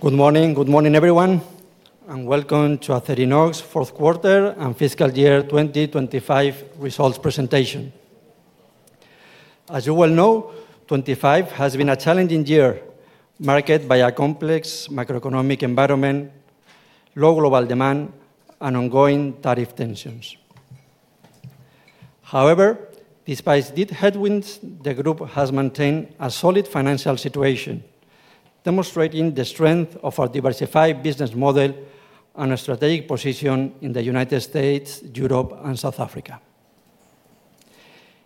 Good morning. Good morning, everyone, and welcome to Acerinox fourth quarter and fiscal year 2025 results presentation. As you well know, 2025 has been a challenging year, marked by a complex macroeconomic environment, low global demand, and ongoing tariff tensions. Despite these headwinds, the group has maintained a solid financial situation, demonstrating the strength of our diversified business model and a strategic position in the United States, Europe, and South Africa.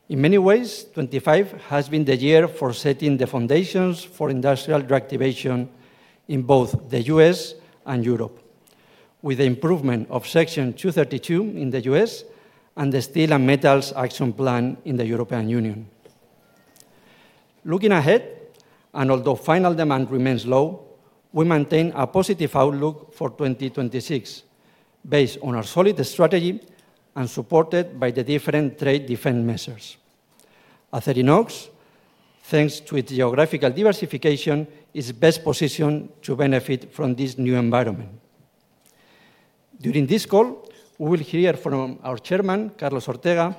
In many ways, 2025 has been the year for setting the foundations for industrial reactivation in both the U.S. and Europe, with the improvement of Section 232 in the U.S. and the European Steel and Metals Action Plan in the European Union. Looking ahead, and although final demand remains low, we maintain a positive outlook for 2026, based on our solid strategy and supported by the different trade defense measures. Acerinox, thanks to its geographical diversification, is best positioned to benefit from this new environment. During this call, we will hear from our Chairman, Carlos Ortega,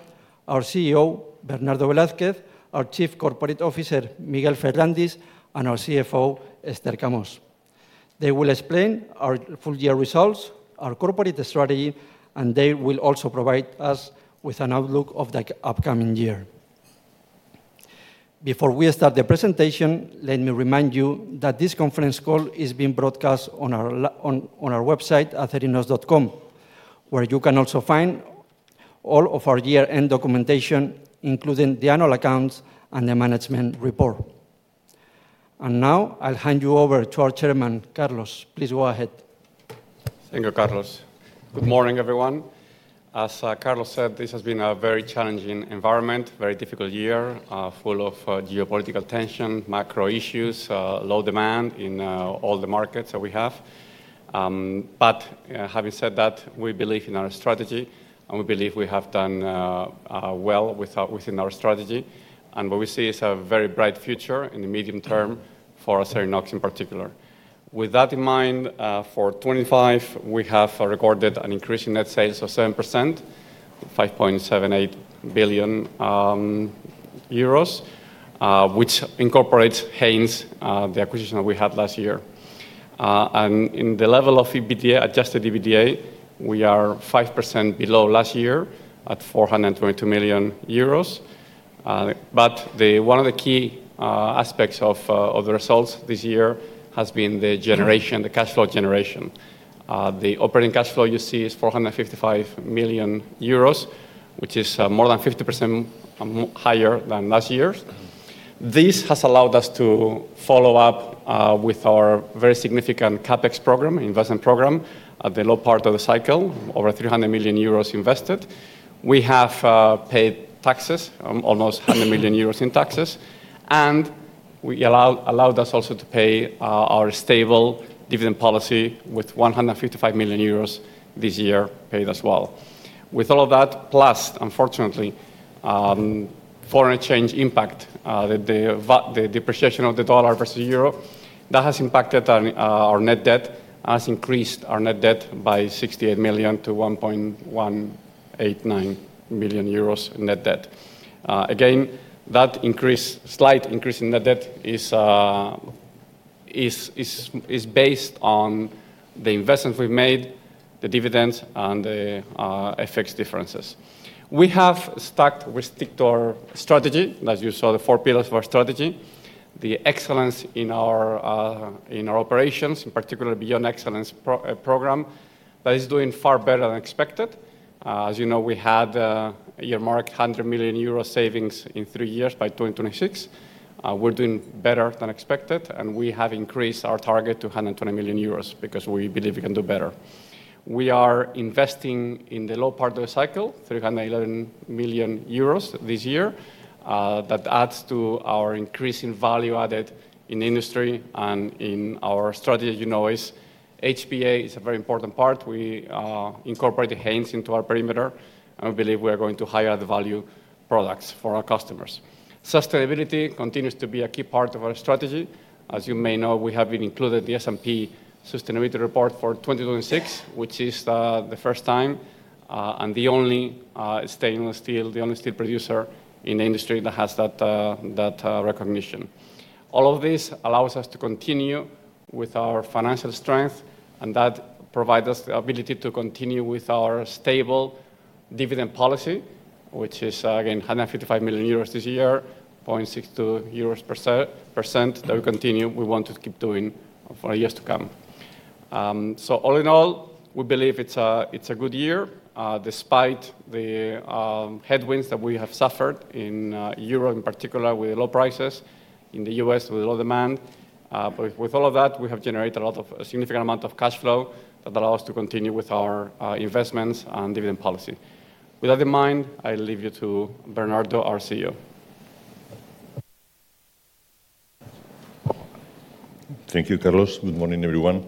our CEO, Bernardo Velázquez, our Chief Corporate Officer, Miguel Ferrandis, and our CFO, Esther Camós. They will explain our full year results, our corporate strategy, and they will also provide us with an outlook of the upcoming year. Before we start the presentation, let me remind you that this conference call is being broadcast on our website, acerinox.com, where you can also find all of our year-end documentation, including the annual accounts and the management report. Now, I'll hand you over to our Chairman, Carlos. Please go ahead. Thank you, Carlos. Good morning, everyone. As Carlos said, this has been a very challenging environment, very difficult year, full of geopolitical tension, macro issues, low demand in all the markets that we have. Having said that, we believe in our strategy, and we believe we have done well within our strategy, and what we see is a very bright future in the medium term for Acerinox in particular. With that in mind, for 2025, we have recorded an increase in net sales of 7%, 5.78 billion euros, which incorporates Haynes, the acquisition that we had last year. In the level of EBITDA, Adjusted EBITDA, we are 5% below last year at 422 million euros. The one of the key aspects of the results this year has been the generation, the cash flow generation. The operating cash flow you see is 455 million euros, which is more than 50% more higher than last year's. This has allowed us to follow up with our very significant CapEx program, investment program, at the low part of the cycle, over 300 million euros invested. We have paid taxes, almost 100 million euros in taxes, and we allowed us also to pay our stable dividend policy with 155 million euros this year, paid as well. All of that, plus, unfortunately, foreign exchange impact, the depreciation of the dollar versus the euro, that has impacted on our net debt, has increased our net debt by 68 million-1.189 million euros in net debt. Again, that increase, slight increase in net debt is based on the investments we've made, the dividends, and the FX differences. We have stuck, we stick to our strategy, as you saw, the four pillars of our strategy. The excellence in our operations, in particular, Beyond Excellence program, that is doing far better than expected. As you know, we had year mark 100 million euro savings in three years by 2026. We're doing better than expected. We have increased our target to 120 million euros because we believe we can do better. We are investing in the low part of the cycle, 311 million euros this year. That adds to our increase in value added in the industry and in our strategy, you know, HBA is a very important part. We incorporated Haynes into our perimeter. We believe we are going to higher the value products for our customers. Sustainability continues to be a key part of our strategy. As you may know, we have been included the S&P Sustainability Report for 2026, which is the first time and the only stainless steel, the only steel producer in the industry that has that recognition. All of this allows us to continue with our financial strength. That provides us the ability to continue with our stable dividend policy, which is again, 155 million euros this year, EUR 0.62%, that we continue, we want to keep doing for years to come. All in all, we believe it's a good year, despite the headwinds that we have suffered in Europe, in particular, with low prices, in the U.S., with low demand. With all of that, we have generated a lot of, a significant amount of cash flow that allow us to continue with our investments and dividend policy. With that in mind, I leave you to Bernardo, our CEO. Thank you, Carlos. Good morning, everyone.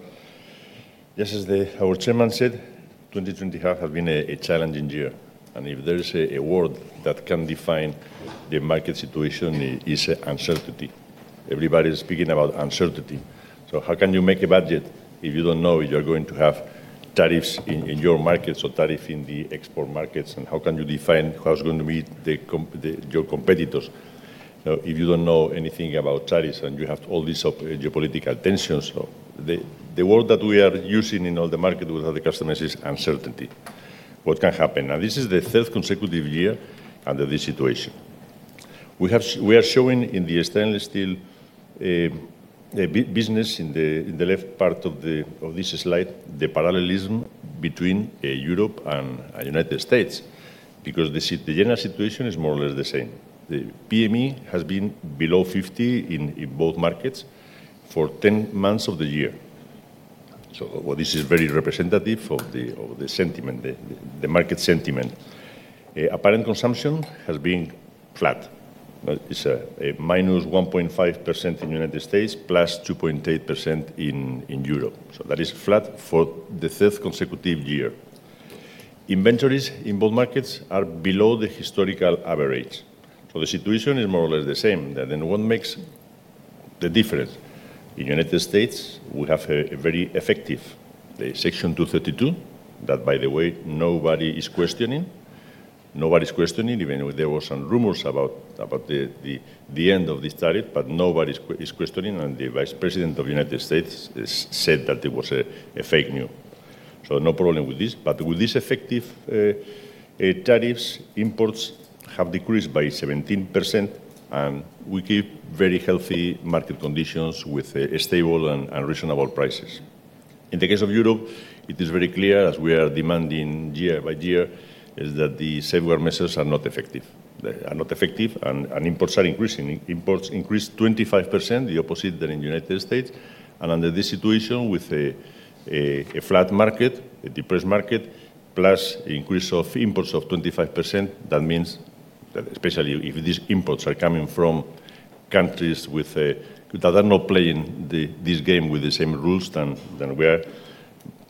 Just as our chairman said, 2020 have been a challenging year. If there is a word that can define the market situation, it is uncertainty. Everybody is speaking about uncertainty. How can you make a budget if you don't know you're going to have tariffs in your market, so tariff in the export markets? How can you define who is going to be your competitors, if you don't know anything about tariffs, and you have all these geopolitical tensions? The word that we are using in all the market with other customers is uncertainty. What can happen? Now, this is the third consecutive year under this situation. We are showing in the stainless steel, the business in the left part of this slide, the parallelism between Europe and United States, because the general situation is more or less the same. The PMI has been below 50 in both markets for 10 months of the year. What this is very representative of the market sentiment. Apparent consumption has been flat, but it's a minus 1.5% in United States, +2.8% in Europe. That is flat for the third consecutive year. Inventories in both markets are below the historical average. The situation is more or less the same. What makes the difference? In United States, we have a very effective, the Section 232, that by the way, nobody is questioning. Nobody's questioning, even though there were some rumors about the end of this tariff, nobody is questioning, the Vice President of the United States has said that it was a fake news. No problem with this. With this effective tariffs, imports have decreased by 17%, we keep very healthy market conditions with a stable and reasonable prices. In the case of Europe, it is very clear, as we are demanding year by year, is that the safeguard measures are not effective. They are not effective, imports are increasing. Imports increased 25%, the opposite than in United States. Under this situation, with a flat market, a depressed market, plus increase of imports of 25%, that means that especially if these imports are coming from countries that are not playing the, this game with the same rules than we are,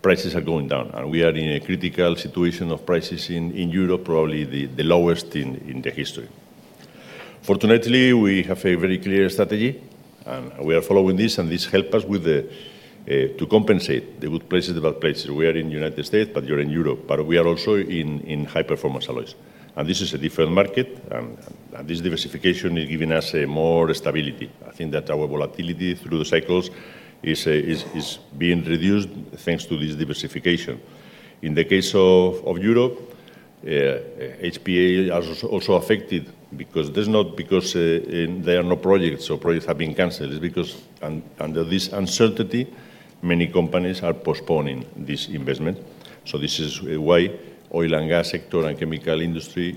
prices are going down. We are in a critical situation of prices in Europe, probably the lowest in the history. Fortunately, we have a very clear strategy, and we are following this, and this help us with the to compensate the good places, the bad places. We are in United States, but we are in Europe, but we are also in high-performance alloys, and this is a different market, and this diversification is giving us a more stability. I think that our volatility through the cycles is being reduced thanks to this diversification. In the case of Europe, HPA is also affected because there are no projects or projects have been canceled. It's because under this uncertainty, many companies are postponing this investment. This is why oil and gas sector and chemical industry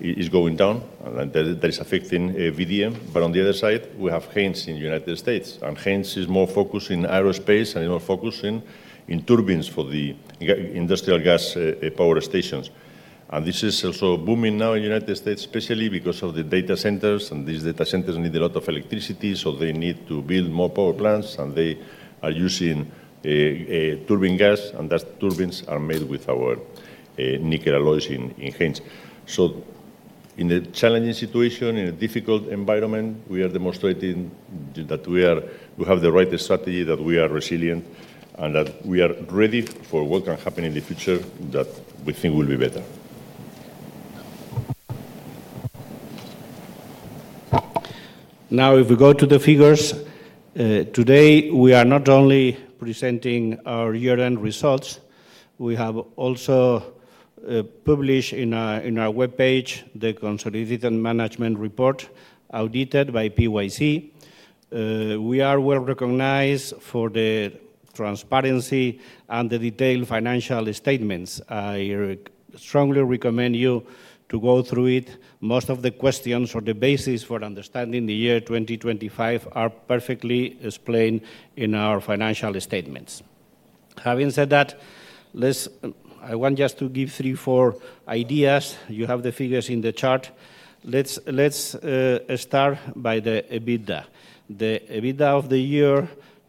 is going down, and that is affecting VDM. On the other side, we have Haynes in United States, and Haynes is more focused in aerospace and more focused in turbines for the industrial gas power stations. This is also booming now in United States, especially because of the data centers. These data centers need a lot of electricity, so they need to build more power plants. They are using a turbine gas. That turbines are made with our nickel alloys in Haynes. In a challenging situation, in a difficult environment, we are demonstrating that we have the right strategy, that we are resilient, and that we are ready for what can happen in the future that we think will be better. Now, if we go to the figures, today, we are not only presenting our year-end results, we have also published in our web page the consolidated management report, audited by PwC. We are well-recognized for the transparency and the detailed financial statements. I strongly recommend you to go through it. Most of the questions or the basis for understanding the year 2025 are perfectly explained in our financial statements. Having said that, I want just to give three, four ideas. You have the figures in the chart. Let's start by the EBITDA. The EBITDA of the year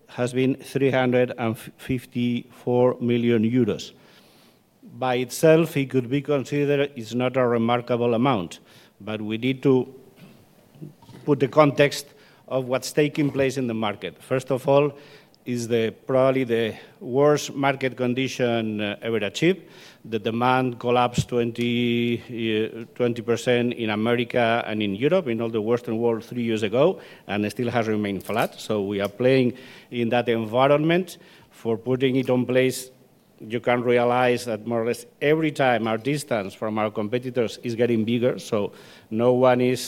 has been 354 million euros. By itself, it could be considered is not a remarkable amount, but we need to put the context of what's taking place in the market. First of all, is the probably the worst market condition ever achieved. The demand collapsed 20 year, 20% in America and in Europe, in all the Western world, three years ago, and it still has remained flat. We are playing in that environment. For putting it on place, you can realize that more or less every time, our distance from our competitors is getting bigger, no one is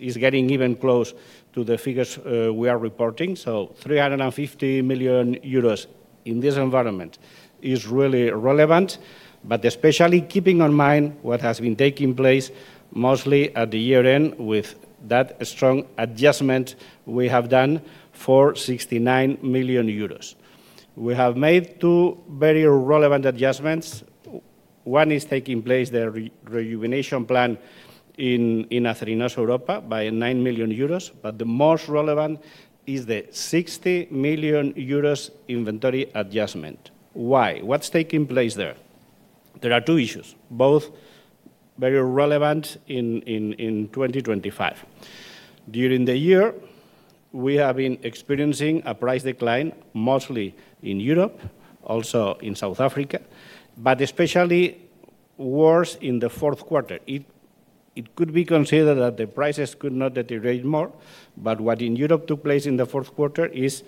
getting even close to the figures we are reporting. 350 million euros in this environment is really relevant, but especially keeping in mind what has been taking place mostly at the year-end with that strong adjustment we have done for 69 million euros. We have made two very relevant adjustments. One is taking place, the rejuvenation plan in Acerinox Europa by 9 million euros, but the most relevant is the 60 million euros inventory adjustment. Why? What's taking place there? There are two issues, both very relevant in 2025. During the year, we have been experiencing a price decline, mostly in Europe, also in South Africa, but especially worse in the fourth quarter. It could be considered that the prices could not deteriorate more, but what in Europe took place in the fourth quarter is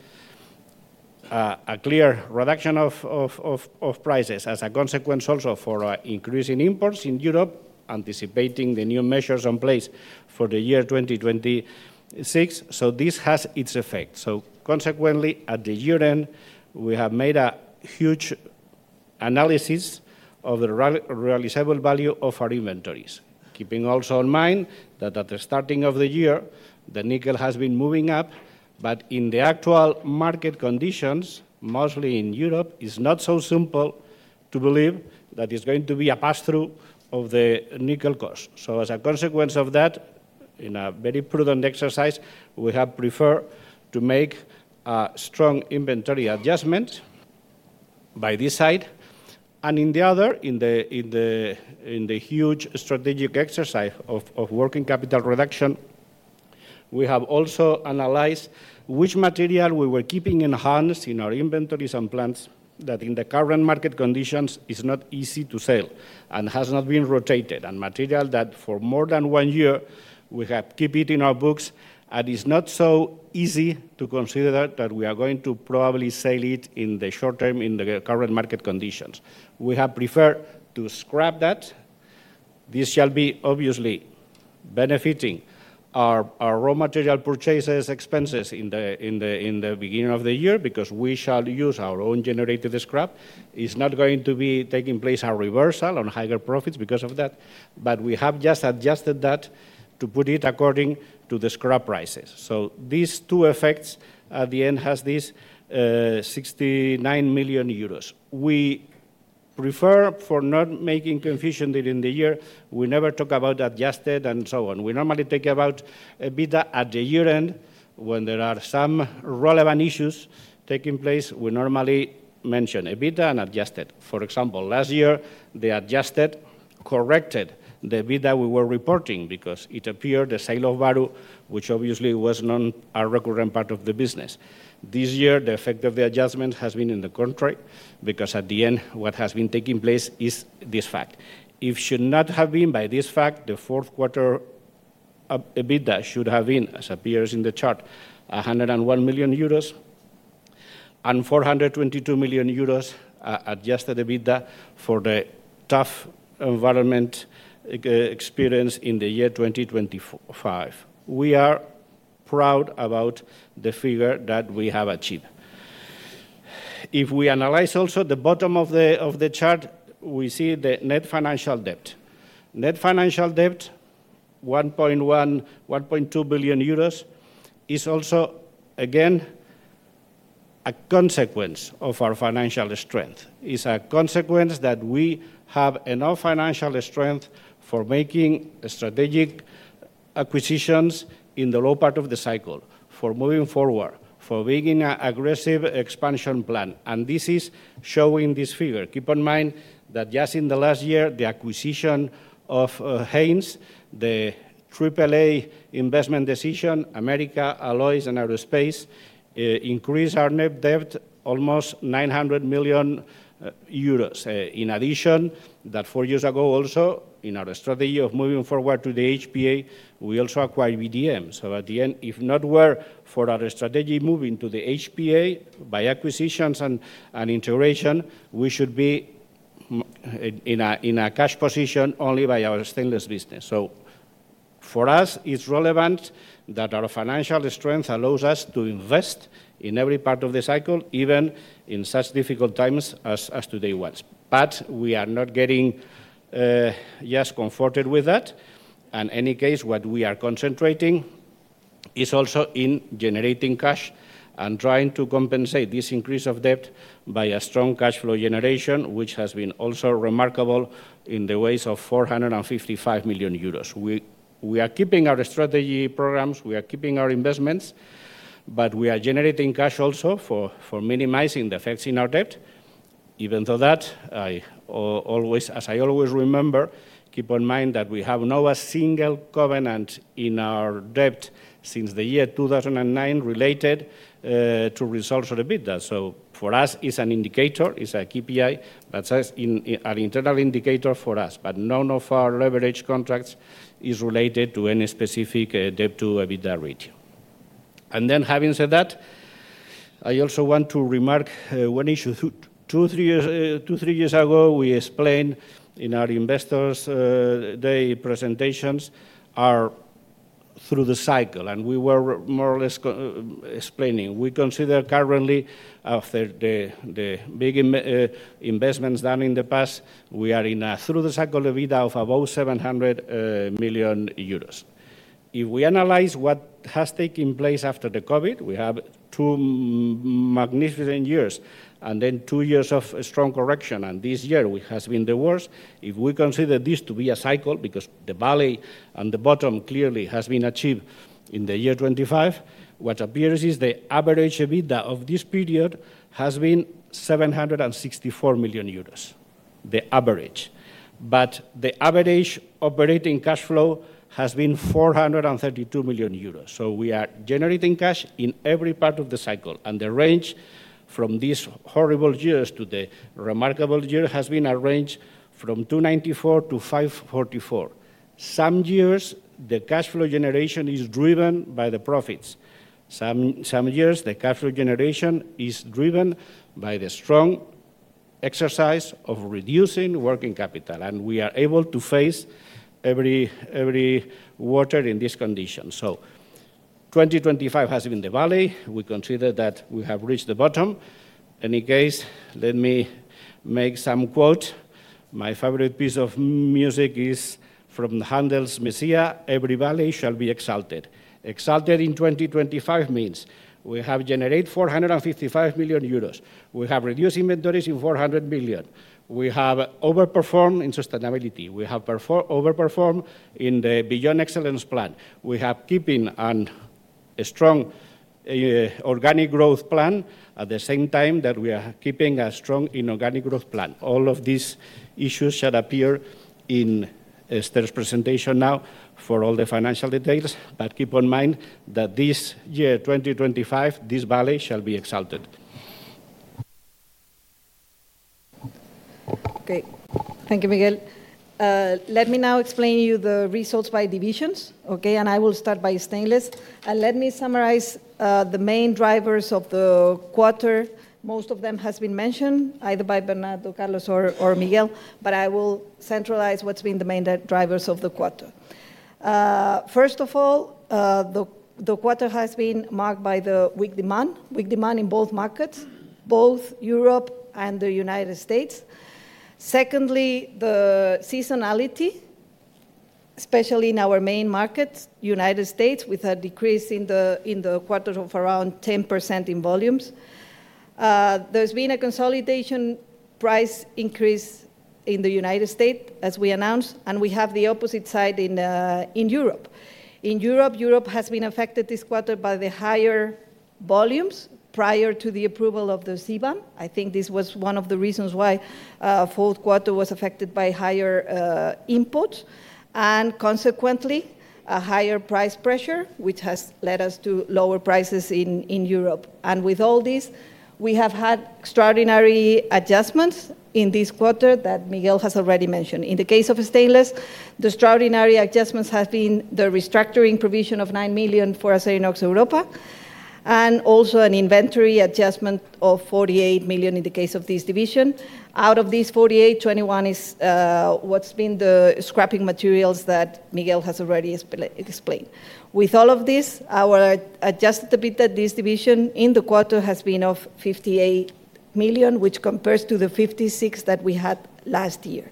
a clear reduction of prices as a consequence also for increase in imports in Europe, anticipating the new measures in place for the year 2026. This has its effect. Consequently, at the year-end, we have made a huge analysis of the realizable value of our inventories. Keeping also in mind that at the starting of the year, the nickel has been moving up, but in the actual market conditions, mostly in Europe, it's not so simple to believe that it's going to be a pass-through of the nickel cost. As a consequence of that, in a very prudent exercise, we have preferred to make a strong inventory adjustment by this side, and in the other, in the huge strategic exercise of working capital reduction, we have also analyzed which material we were keeping in hands in our inventories and plants, that in the current market conditions, is not easy to sell and has not been rotated. Material that for more than one year, we have keep it in our books, and it's not so easy to consider that we are going to probably sell it in the short term in the current market conditions. We have preferred to scrap that. This shall be obviously benefiting our raw material purchases expenses in the beginning of the year because we shall use our own generated scrap. It's not going to be taking place a reversal on higher profits because of that, but we have just adjusted that to put it according to the scrap prices. These two effects at the end has this 69 million euros. We prefer for not making confusion during the year. We never talk about adjusted and so on. We normally talk about EBITDA at the year-end. When there are some relevant issues taking place, we normally mention EBITDA and adjusted. For example, last year, the adjusted corrected the EBITDA we were reporting because it appeared the sale of value, which obviously was not a recurrent part of the business. This year, the effect of the adjustment has been in the contrary, because at the end, what has been taking place is this fact. It should not have been by this fact, the fourth quarter EBITDA should have been, as appears in the chart, 101 million euros and 422 million euros Adjusted EBITDA for the tough environment experienced in the year 2025. We are proud about the figure that we have achieved. If we analyze also the bottom of the chart, we see the net financial debt. Net financial debt, 1.1 – 1.2 billion euros, is also, again, a consequence of our financial strength. It's a consequence that we have enough financial strength for making strategic acquisitions in the low part of the cycle, for moving forward, for making a aggressive expansion plan, and this is showing this figure. Keep in mind that just in the last year, the acquisition of Haynes, the AAA investment decision, America, Alloys, and Aerospace, increased our net debt almost 900 million euros. In addition, that four years ago also, in our strategy of moving forward to the HPA, we also acquired VDM. At the end, if not were for our strategy moving to the HPA by acquisitions and integration, we should be in a cash position only by our stainless business. For us, it's relevant that our financial strength allows us to invest in every part of the cycle, even in such difficult times as today was. We are not getting just comforted with that. In any case, what we are concentrating is also in generating cash and trying to compensate this increase of debt by a strong cash flow generation, which has been also remarkable in the ways of 455 million euros. We are keeping our strategy programs, we are keeping our investments, but we are generating cash also for minimizing the effects in our debt. Even though that, I always, as I always remember, keep in mind that we have not a single covenant in our debt since the year 2009 related to results or EBITDA. For us, it's an indicator, it's a KPI that says an internal indicator for us, but none of our leverage contracts is related to any specific debt to EBITDA ratio. Having said that, I also want to remark one issue. Two, three years, Two, three years ago, we explained in our Investors Day presentations are through the cycle, and we were more or less explaining. We consider currently, after the big investments done in the past, we are in a through-the-cycle EBITDA of about 700 million euros. If we analyze what has taken place after the COVID, we have two magnificent years, and then two years of a strong correction, and this year, which has been the worst. If we consider this to be a cycle, because the valley and the bottom clearly has been achieved in the year 2025, what appears is the average EBITDA of this period has been 764 million euros, the average. The average operating cash flow has been 432 million euros. We are generating cash in every part of the cycle, and the range from these horrible years to the remarkable year has been a range from 294 million-544 million. Some years, the cash flow generation is driven by the profits. Some years, the cash flow generation is driven by the strong exercise of reducing working capital, and we are able to face every water in this condition. 2025 has been the valley. We consider that we have reached the bottom. Any case, let me make some quote. My favorite piece of music is from Handel's Messiah, "Every Valley Shall Be Exalted." Exalted in 2025 means we have generate 455 million euros. We have reduced inventories in 400 million. We have overperformed in sustainability. We have overperformed in the Beyond Excellence plan. We have keeping on a strong organic growth plan at the same time that we are keeping a strong inorganic growth plan. All of these issues shall appear in, Esther's presentation now for all the financial details, but keep in mind that this year, 2025, this valley shall be exalted. Okay, thank you, Miguel. Let me now explain you the results by divisions, okay? I will start by stainless. Let me summarize the main drivers of the quarter. Most of them has been mentioned either by Bernardo, Carlos, or Miguel, but I will centralize what's been the main drivers of the quarter. First of all, the quarter has been marked by the weak demand, weak demand in both markets, both Europe and the United States. Secondly, the seasonality, especially in our main markets, United States, with a decrease in the quarter of around 10% in volumes. There's been a consolidation price increase in the United States, as we announced, and we have the opposite side in Europe. In Europe has been affected this quarter by the higher volumes prior to the approval of the CBAM. I think this was one of the reasons why fourth quarter was affected by higher input, and consequently, a higher price pressure, which has led us to lower prices in Europe. With all this, we have had extraordinary adjustments in this quarter that Miguel has already mentioned. In the case of stainless, the extraordinary adjustments have been the restructuring provision of 9 million for Acerinox Europa, also an inventory adjustment of 48 million in the case of this division. Out of these 48 million, 21 million is what's been the scrapping materials that Miguel has already explained. With all of this, our Adjusted EBITDA, this division, in the quarter has been of 58 million, which compares to the 56 million that we had last year.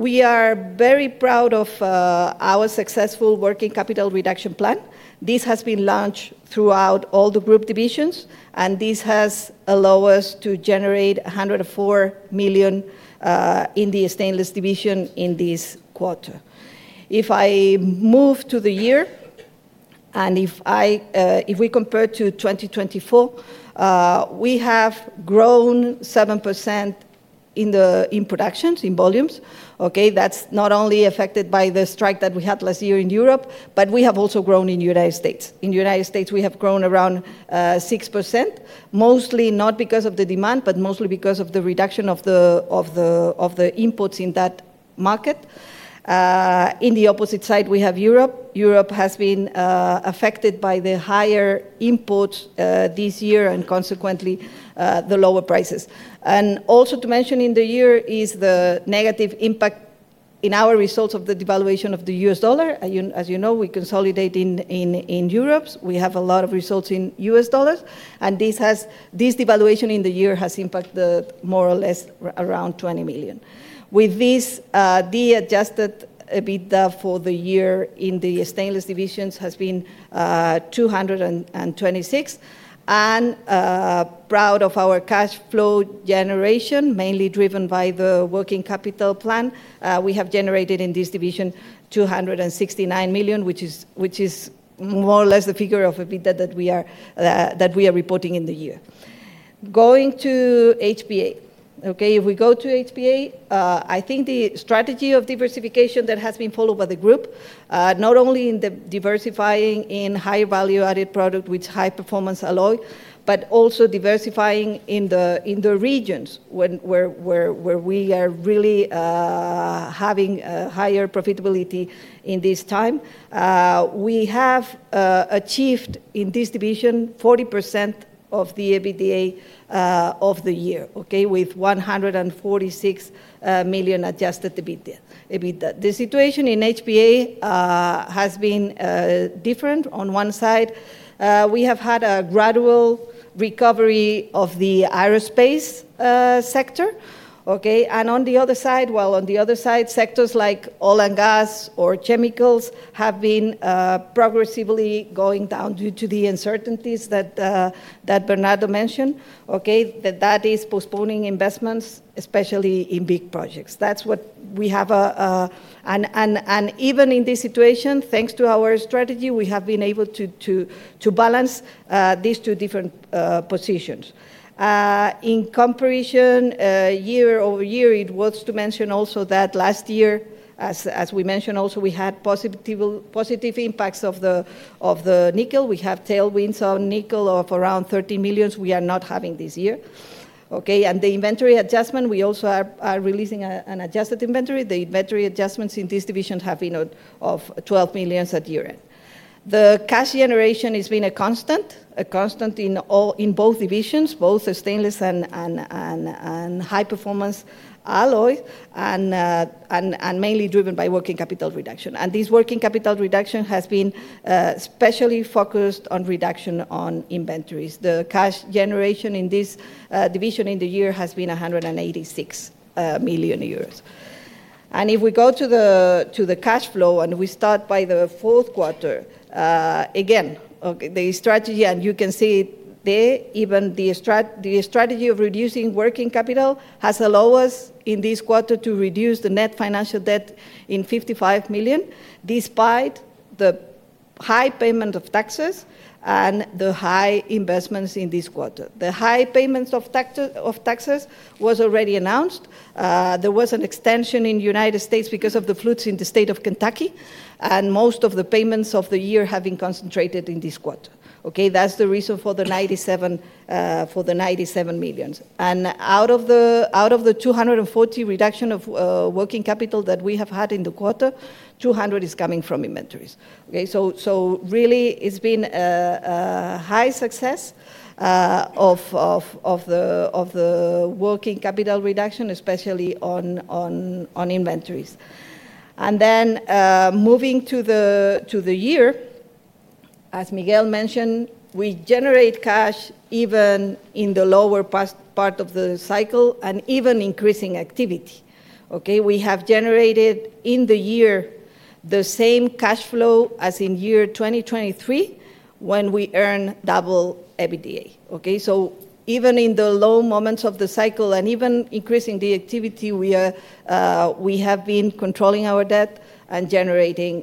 We are very proud of our successful working capital reduction plan. This has been launched throughout all the group divisions, and this has allow us to generate 104 million in the stainless division in this quarter. If I move to the year, if we compare to 2024, we have grown 7% in the, in productions, in volumes, okay? That's not only affected by the strike that we had last year in Europe, but we have also grown in United States. In the United States, we have grown around 6%, mostly not because of the demand, but mostly because of the reduction of the, of the, of the inputs in that market. In the opposite side, we have Europe. Europe has been affected by the higher input this year, and consequently, the lower prices. Also to mention in the year is the negative impact in our results of the devaluation of the U.S. dollar. You, as you know, we consolidate in Europe. We have a lot of results in U.S. dollars, and this devaluation in the year has impacted more or less around $20 million. With this, the Adjusted EBITDA for the year in the stainless divisions has been $226 million. Proud of our cash flow generation, mainly driven by the working capital plan. We have generated in this division $269 million, which is more or less the figure of EBITDA that we are reporting in the year. Going to HBA. Okay, if we go to HBA, I think the strategy of diversification that has been followed by the group, not only in the diversifying in high value-added product with high-performance alloy, but also diversifying in the regions where we are really having a higher profitability in this time. We have achieved in this division 40% of the EBITDA of the year, okay. With 146 million Adjusted EBITDA. The situation in HBA has been different. On one side, we have had a gradual recovery of the aerospace sector, okay. On the other side, well, on the other side, sectors like oil and gas or chemicals have been progressively going down due to the uncertainties that Bernardo mentioned, okay. That is postponing investments, especially in big projects. That's what we have. Even in this situation, thanks to our strategy, we have been able to balance these two different positions. In comparison, year-over-year, it was to mention also that last year, as we mentioned also, we had positive impacts of the nickel. We have tailwinds on nickel of around 30 million we are not having this year, okay? The inventory adjustment, we also are releasing an adjusted inventory. The inventory adjustments in this division have been of 12 million at year-end. The cash generation has been a constant in both divisions, both the stainless and high-performance alloy, and mainly driven by working capital reduction. This working capital reduction has been especially focused on reduction on inventories. The cash generation in this division in the year has been 186 million euros. If we go to the cash flow, and we start by the fourth quarter, again, the strategy, and you can see it there, even the strategy of reducing working capital has allowed us in this quarter to reduce the net financial debt in 55 million, despite the high payment of taxes and the high investments in this quarter. The high payments of taxes was already announced. There was an extension in United States because of the floods in the state of Kentucky, and most of the payments of the year have been concentrated in this quarter. Okay, that's the reason for the 97 million. Out of the 240 reduction of working capital that we have had in the quarter, 200 is coming from inventories. Okay, really, it's been a high success of the working capital reduction, especially on inventories. Moving to the year, as Miguel mentioned, we generate cash even in the lower part of the cycle and even increasing activity. Okay, we have generated in the year the same cash flow as in year 2023, when we earn double EBITDA. Even in the low moments of the cycle, and even increasing the activity, we have been controlling our debt and generating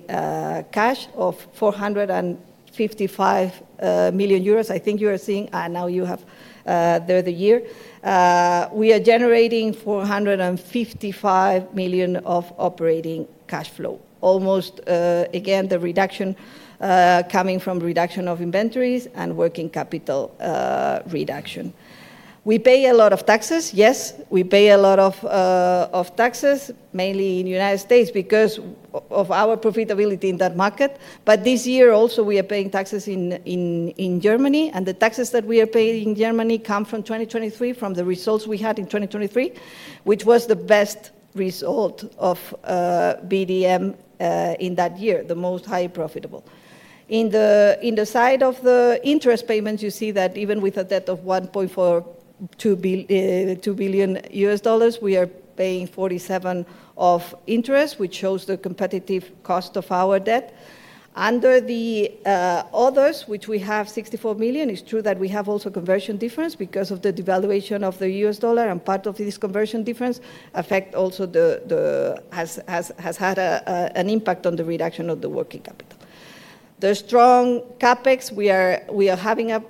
cash of 455 million euros. I think you are seeing, now you have there the year. We are generating 455 million of operating cash flow. Almost again, the reduction coming from reduction of inventories and working capital reduction. We pay a lot of taxes. Yes, we pay a lot of taxes, mainly in the United States, because of our profitability in that market. This year also, we are paying taxes in Germany, the taxes that we are paying in Germany come from 2023, from the results we had in 2023, which was the best result of VDM Metals in that year, the most high profitable. In the side of the interest payments, you see that even with a debt of $2 billion, we are paying $47 of interest, which shows the competitive cost of our debt. Under the others, which we have $64 million, it's true that we have also conversion difference because of the devaluation of the U.S. dollar, part of this conversion difference affect also has had an impact on the reduction of the working capital. The strong CapEx, we are having a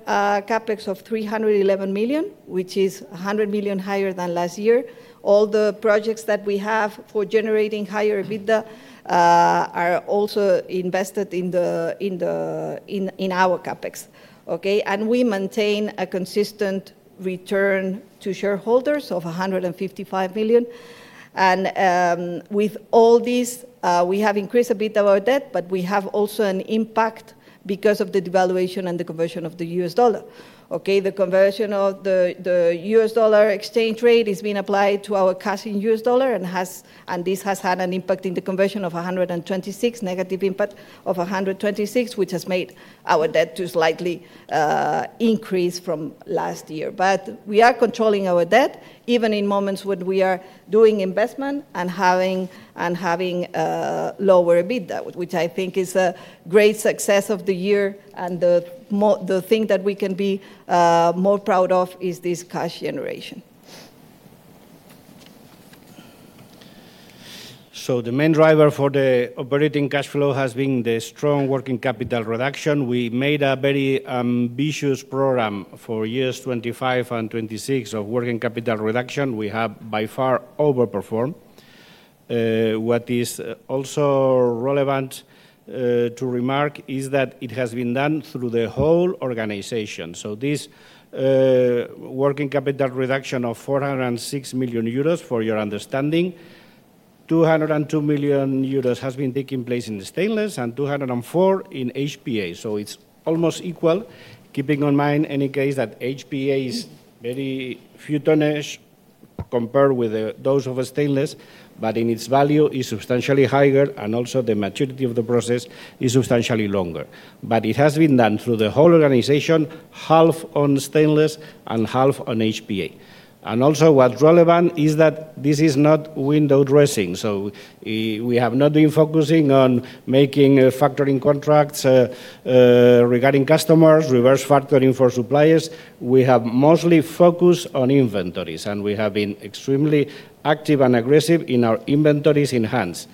CapEx of 311 million, which is 100 million higher than last year. All the projects that we have for generating higher EBITDA are also invested in our CapEx, okay? We maintain a consistent return to shareholders of 155 million. With all this, we have increased a bit our debt, but we have also an impact because of the devaluation and the conversion of the U.S. dollar. Okay, the conversion of the U.S. dollar exchange rate is being applied to our cash in U.S. dollar and this has had an impact in the conversion of 126, negative impact of 126, which has made our debt to slightly increase from last year. We are controlling our debt, even in moments when we are doing investment and having lower EBITDA, which I think is a great success of the year, and the thing that we can be more proud of is this cash generation. The main driver for the operating cash flow has been the strong working capital reduction. We made a very ambitious program for years 2025 and 2026 of working capital reduction. We have, by far, overperformed. What is also relevant to remark is that it has been done through the whole organization. This working capital reduction of 406 million euros, for your understanding, 202 million euros has been taking place in the stainless andEUR 204 million in HPA. It's almost equal, keeping in mind, in any case, that HPA is very few tonnage compared with those of a stainless, but in its value is substantially higher, and also the maturity of the process is substantially longer. It has been done through the whole organization, half on stainless and half on HPA. Also, what relevant is that this is not window dressing, so we have not been focusing on making factoring contracts regarding customers, reverse factoring for suppliers. We have mostly focused on inventories, and we have been extremely active and aggressive in our inventories in hands.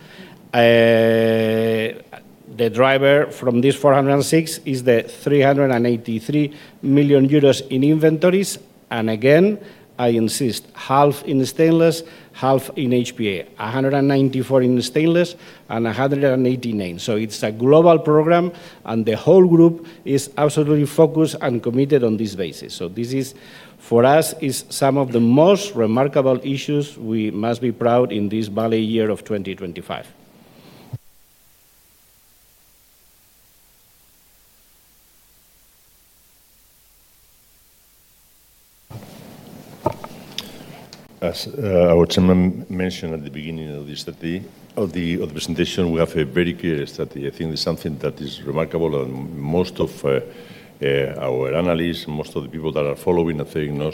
The driver from this 406 is the 383 million euros in inventories, and again, I insist, half in stainless, half in HPA. 194 million in stainless and 189 million. It's a global program, and the whole group is absolutely focused and committed on this basis. This is, for us, is some of the most remarkable issues we must be proud in this valley year of 2025. As our Chairman mentioned at the beginning of the study, of the presentation, we have a very clear strategy. I think it's something that is remarkable, and most of our analysts and most of the people that are following and saying, "No,"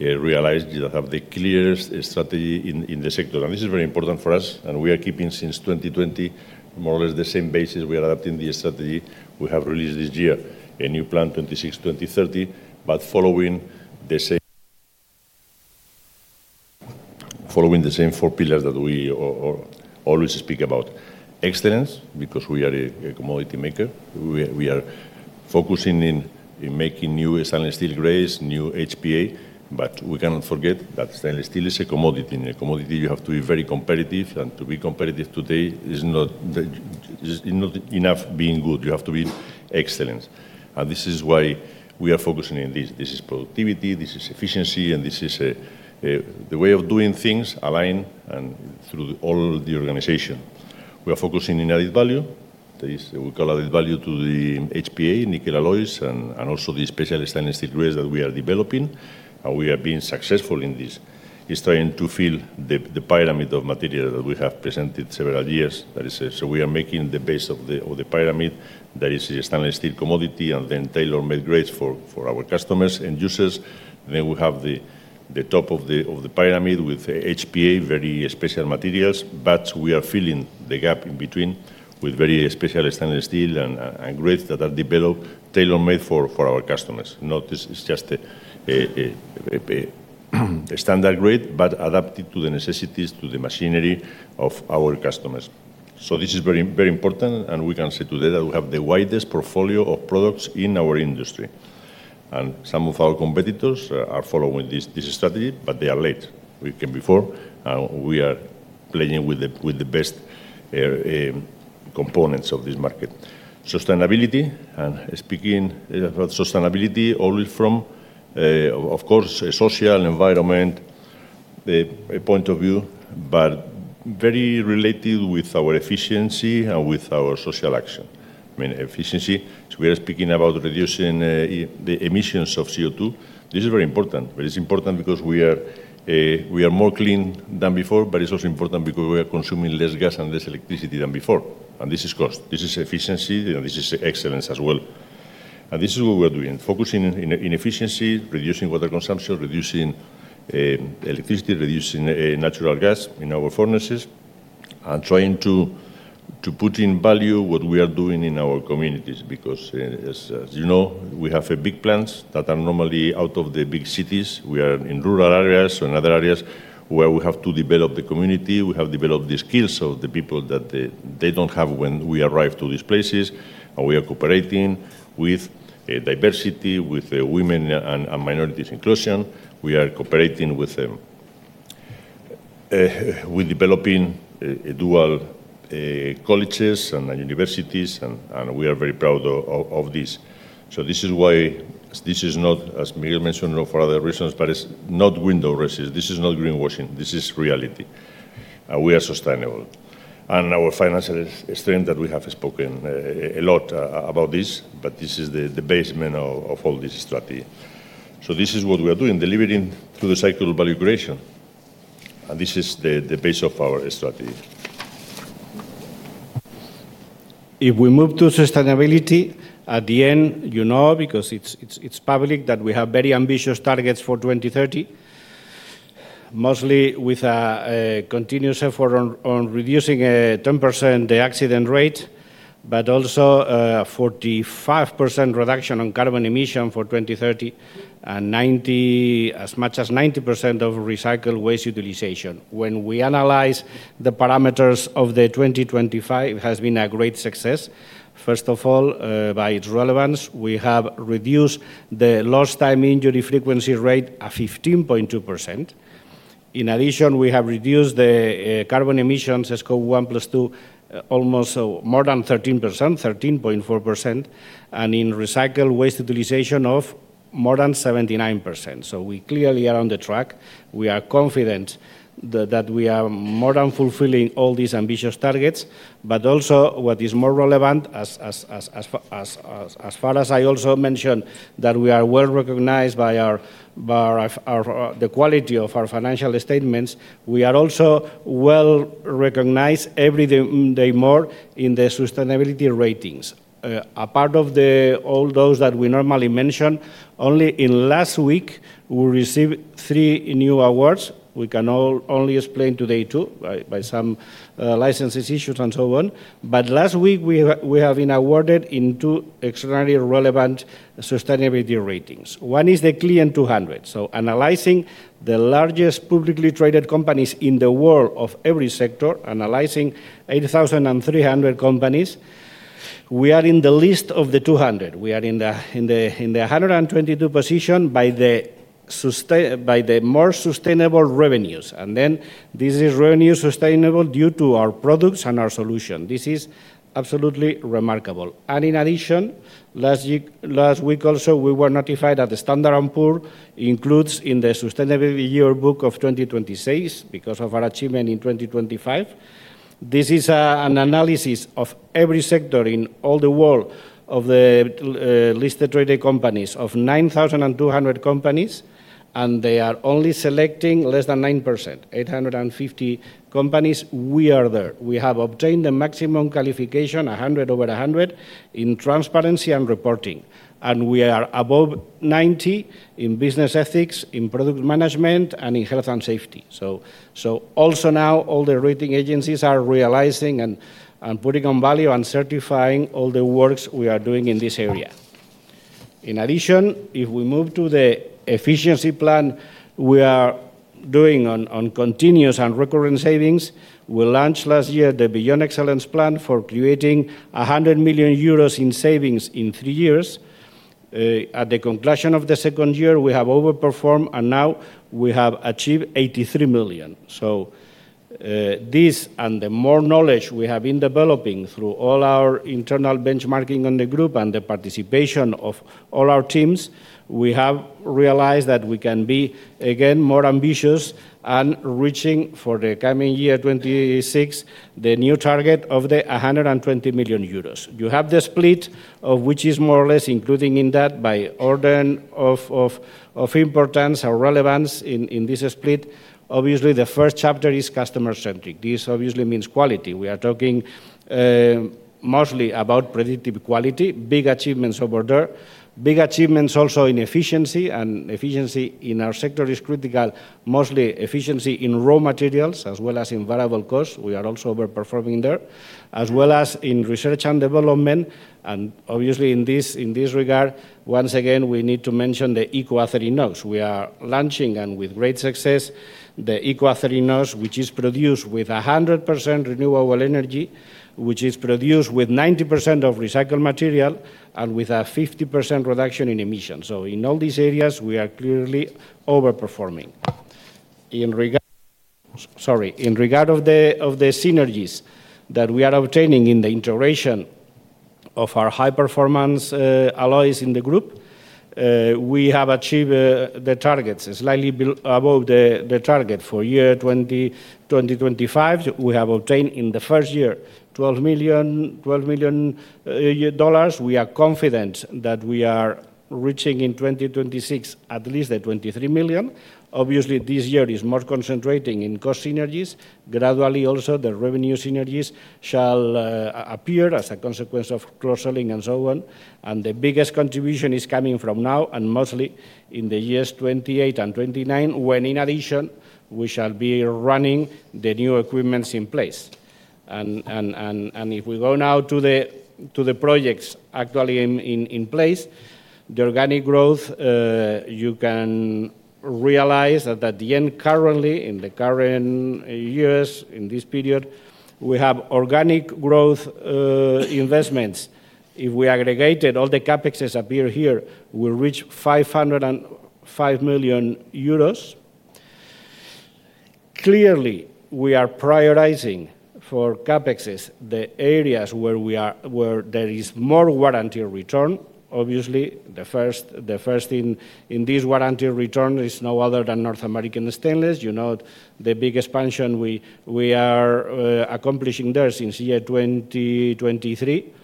realize we have the clearest strategy in the sector. This is very important for us, and we are keeping since 2020, more or less the same basis. We are adapting the strategy. We have released this year a new plan, 2026, 2030, but following the same. Following the same four pillars that we always speak about. Excellence, because we are a commodity maker. We are focusing in making new stainless steel grades, new HPA, but we cannot forget that stainless steel is a commodity. In a commodity, you have to be very competitive, and to be competitive today is not enough being good. You have to be excellent, this is why we are focusing in this. This is productivity, this is efficiency, and this is the way of doing things aligned and through all the organization. We are focusing in added value. That is, we call added value to the HPA, nickel alloys, and also the special stainless steel grades that we are developing, and we have been successful in this. It's starting to fill the pyramid of material that we have presented several years, that is. So we are making the base of the pyramid. That is a stainless steel commodity, and then tailor-made grades for our customers and users. We have the top of the pyramid with HPA, very special materials, but we are filling the gap in between with very special stainless steel and grades that are developed, tailor-made for our customers. Not this is just a standard grade, but adapted to the necessities, to the machinery of our customers. This is very important, and we can say today that we have the widest portfolio of products in our industry, and some of our competitors are following this strategy, but they are late. We came before, and we are playing with the best components of this market. Sustainability, speaking about sustainability only from, of course, a social environment point of view, but very related with our efficiency and with our social action. I mean, efficiency, so we are speaking about reducing the emissions of CO2. This is very important, but it's important because we are more clean than before, but it's also important because we are consuming less gas and less electricity than before, and this is cost. This is efficiency, and this is excellence as well. This is what we are doing, focusing in efficiency, reducing water consumption, reducing electricity, reducing natural gas in our furnaces, and trying to put in value what we are doing in our communities. As you know, we have big plants that are normally out of the big cities. We are in rural areas and other areas where we have to develop the community. We have developed the skills of the people that they don't have when we arrive to these places, and we are cooperating with diversity, with women and minorities inclusion. We are cooperating with them. We developing a dual colleges and universities, and we are very proud of this. This is why this is not, as Miguel mentioned, for other reasons, but it's not window dresses. This is not greenwashing. This is reality, and we are sustainable. Our financial strength that we have spoken a lot about this, but this is the basement of all this strategy. This is what we are doing, delivering through the cycle of value creation, and this is the base of our strategy. If we move to sustainability, at the end, you know, because it's public, that we have very ambitious targets for 2030. Mostly with a continuous effort on reducing 10% the accident rate, but also 45% reduction on carbon emission for 2030, and 90, as much as 90% of recycled waste utilization. When we analyze the parameters of the 2025, it has been a great success. First of all, by its relevance, we have reduced the lost time injury frequency rate 15.2%. In addition, we have reduced the carbon emissions as Scope 1+Scope 2, almost more than 13%, 13.4%, and in recycled waste utilization of more than 79%. We clearly are on the track. We are confident that we are more than fulfilling all these ambitious targets, but also what is more relevant as far as I also mentioned, that we are well-recognized by our, the quality of our financial statements. We are also well-recognized every day more in the sustainability ratings. A part of all those that we normally mention, only in last week, we received three new awards. We can only explain today two, by some licenses issued and so on. Last week, we have been awarded in two extraordinary relevant sustainability ratings. One is the Clean200. Analyzing the largest publicly traded companies in the world of every sector, analyzing 80,300 companies, we are in the list of the 200. We are in the 122 position by the more sustainable revenues, and then this is revenue sustainable due to our products and our solution. This is absolutely remarkable. In addition, last week also, we were notified that Standard & Poor's includes in The Sustainability Yearbook of 2026 because of our achievement in 2025. This is an analysis of every sector in all the world of the listed traded companies, of 9,200 companies, and they are only selecting less than 9%, 850 companies. We are there. We have obtained the maximum qualification, 100 over 100, in transparency and reporting, and we are above 90 in business ethics, in product management, and in health and safety. Also now, all the rating agencies are realizing and putting on value and certifying all the works we are doing in this area. In addition, if we move to the efficiency plan, we are doing on continuous and recurring savings. We launched last year the Beyond Excellence plan for creating 100 million euros in savings in three years. At the conclusion of the second year, we have overperformed, and now we have achieved 83 million. This and the more knowledge we have been developing through all our internal benchmarking on the group and the participation of all our teams, we have realized that we can be, again, more ambitious and reaching for the coming year 2026, the new target of the 120 million euros. You have the split, of which is more or less including in that by order of importance or relevance in this split. Obviously, the first chapter is customer-centric. This obviously means quality. We are talking mostly about predictive quality, big achievements over there. Big achievements also in efficiency in our sector is critical, mostly efficiency in raw materials as well as in variable costs. We are also overperforming there, as well as in research and development, obviously, in this regard, once again, we need to mention the EcoACX [3NOX]. We are launching, with great success, the EcoACX [3NOX], which is produced with 100% renewable energy, which is produced with 90% of recycled material and with a 50% reduction in emissions. In all these areas, we are clearly overperforming. In regard. Sorry, in regard of the synergies that we are obtaining in the integration of our high-performance alloys in the group, we have achieved the targets, slightly above the target for year 2025. We have obtained in the first year, $12 million. We are confident that we are reaching in 2026 at least $23 million. Obviously, this year is more concentrating in cost synergies. Gradually, also, the revenue synergies shall appear as a consequence of cross-selling and so on. The biggest contribution is coming from now and mostly in the years 2028 and 2029, when in addition, we shall be running the new equipments in place. If we go now to the projects actually in place, the organic growth, you can realize that at the end, currently, in the current years, in this period, we have organic growth investments. If we aggregated all the CapExes appear here, we reach 505 million euros. Clearly, we are prioritizing for CapExes, the areas where there is more warranty return. Obviously, the first in this warranty return is no other than North American Stainless. You know, the big expansion we are accomplishing there since year 2023.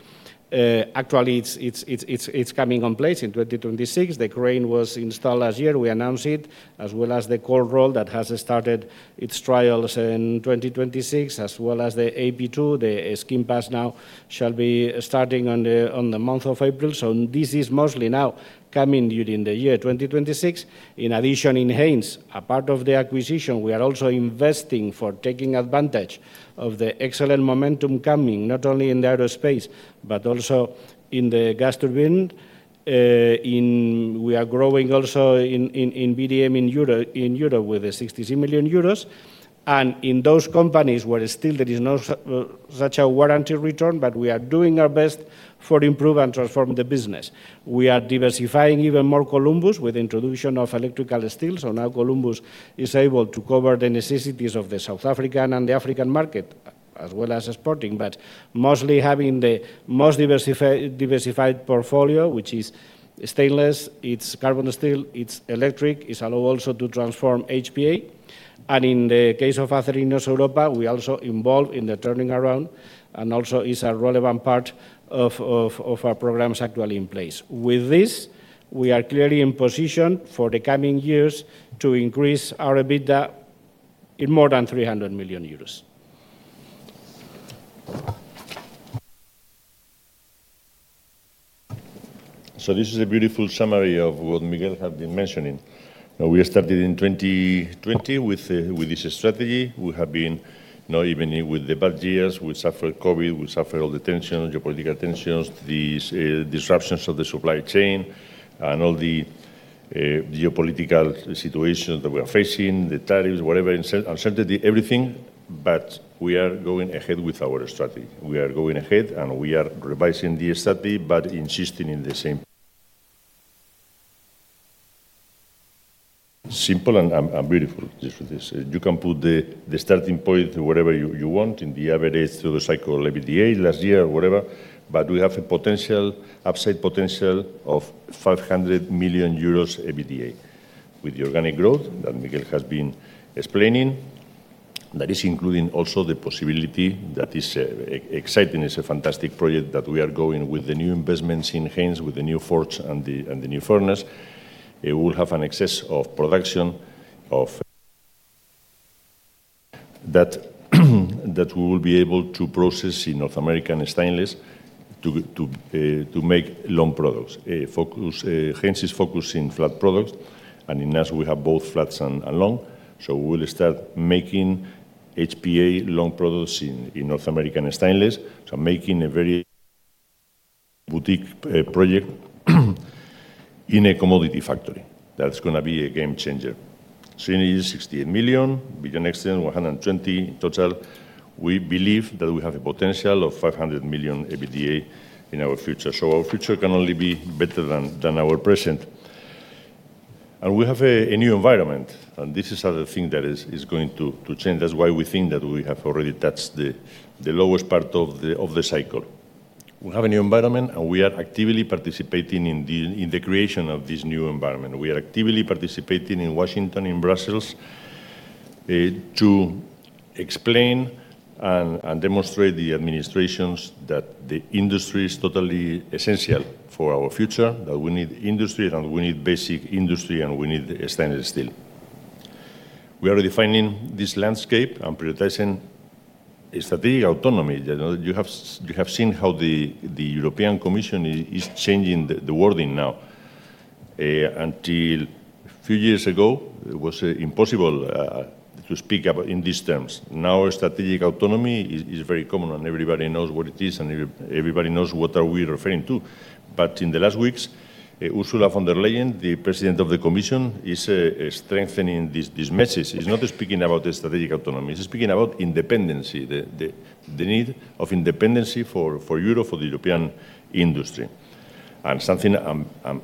Actually, it's coming on place in 2026. The crane was installed last year. We announced it, as well as the cold roll that has started its trials in 2026, as well as the AB2, the skim pass now shall be starting on the month of April. This is mostly now coming during the year 2026. In addition, in Haynes, a part of the acquisition, we are also investing for taking advantage of the excellent momentum coming not only in the aerospace, but also in the gas turbine. We are growing also in VDM, in Europe, with the 66 million euros. In those companies where still there is no such a warranty return, but we are doing our best for improve and transform the business. We are diversifying even more Columbus with introduction of electrical steel. Now Columbus is able to cover the necessities of the South African and the African market, as well as exporting, but mostly having the most diversified portfolio, which is stainless, it's carbon steel, it's electric, it's allow also to transform HPA. And in the case of Acerinox Europa, we also involved in the turning around, and also is a relevant part of our programs actually in place. With this, we are clearly in position for the coming years to increase our EBITDA in more than 300 million euros. This is a beautiful summary of what Miguel have been mentioning. We started in 2020 with this strategy. We have been, even with the bad years, we suffered COVID, we suffered all the tension, geopolitical tensions, these disruptions of the supply chain and all the geopolitical situations that we are facing, the tariffs, whatever, uncertainty, everything. We are going ahead with our strategy. We are going ahead, and we are revising the strategy, but insisting in the same. Simple and beautiful, just this. You can put the starting point to whatever you want, in the average through the cycle, EBITDA last year or whatever. We have an upside potential of 500 million euros EBITDA. With the organic growth that Miguel has been explaining, that is including also the possibility that is exciting. It's a fantastic project that we are going with the new investments in Haynes, with the new forge and the new furnace. It will have an excess of production of that that we will be able to process in North American Stainless to make long products. Haynes is focused in flat products, and in us, we have both flats and long. We will start making HPA long products in North American Stainless. Making a very boutique project, in a commodity factory, that's gonna be a game changer. You need 68 million, billion next year, 120 billion total. We believe that we have a potential of 500 million EBITDA in our future. Our future can only be better than our present. We have a new environment, and this is another thing that is going to change. That's why we think that we have already touched the lowest part of the cycle. We have a new environment, and we are actively participating in the creation of this new environment. We are actively participating in Washington, in Brussels, to explain and demonstrate the administrations that the industry is totally essential for our future, that we need industry, and we need basic industry, and we need stainless steel. We are redefining this landscape and prioritizing a strategic autonomy. You know, you have seen how the European Commission is changing the wording now. Until a few years ago, it was impossible to speak about in these terms. Now, strategic autonomy is very common, and everybody knows what it is, and everybody knows what are we referring to. In the last weeks, Ursula von der Leyen, the President of the Commission, is strengthening this message. She's not speaking about the strategic autonomy. She's speaking about independency, the need of independency for Europe, for the European industry. Something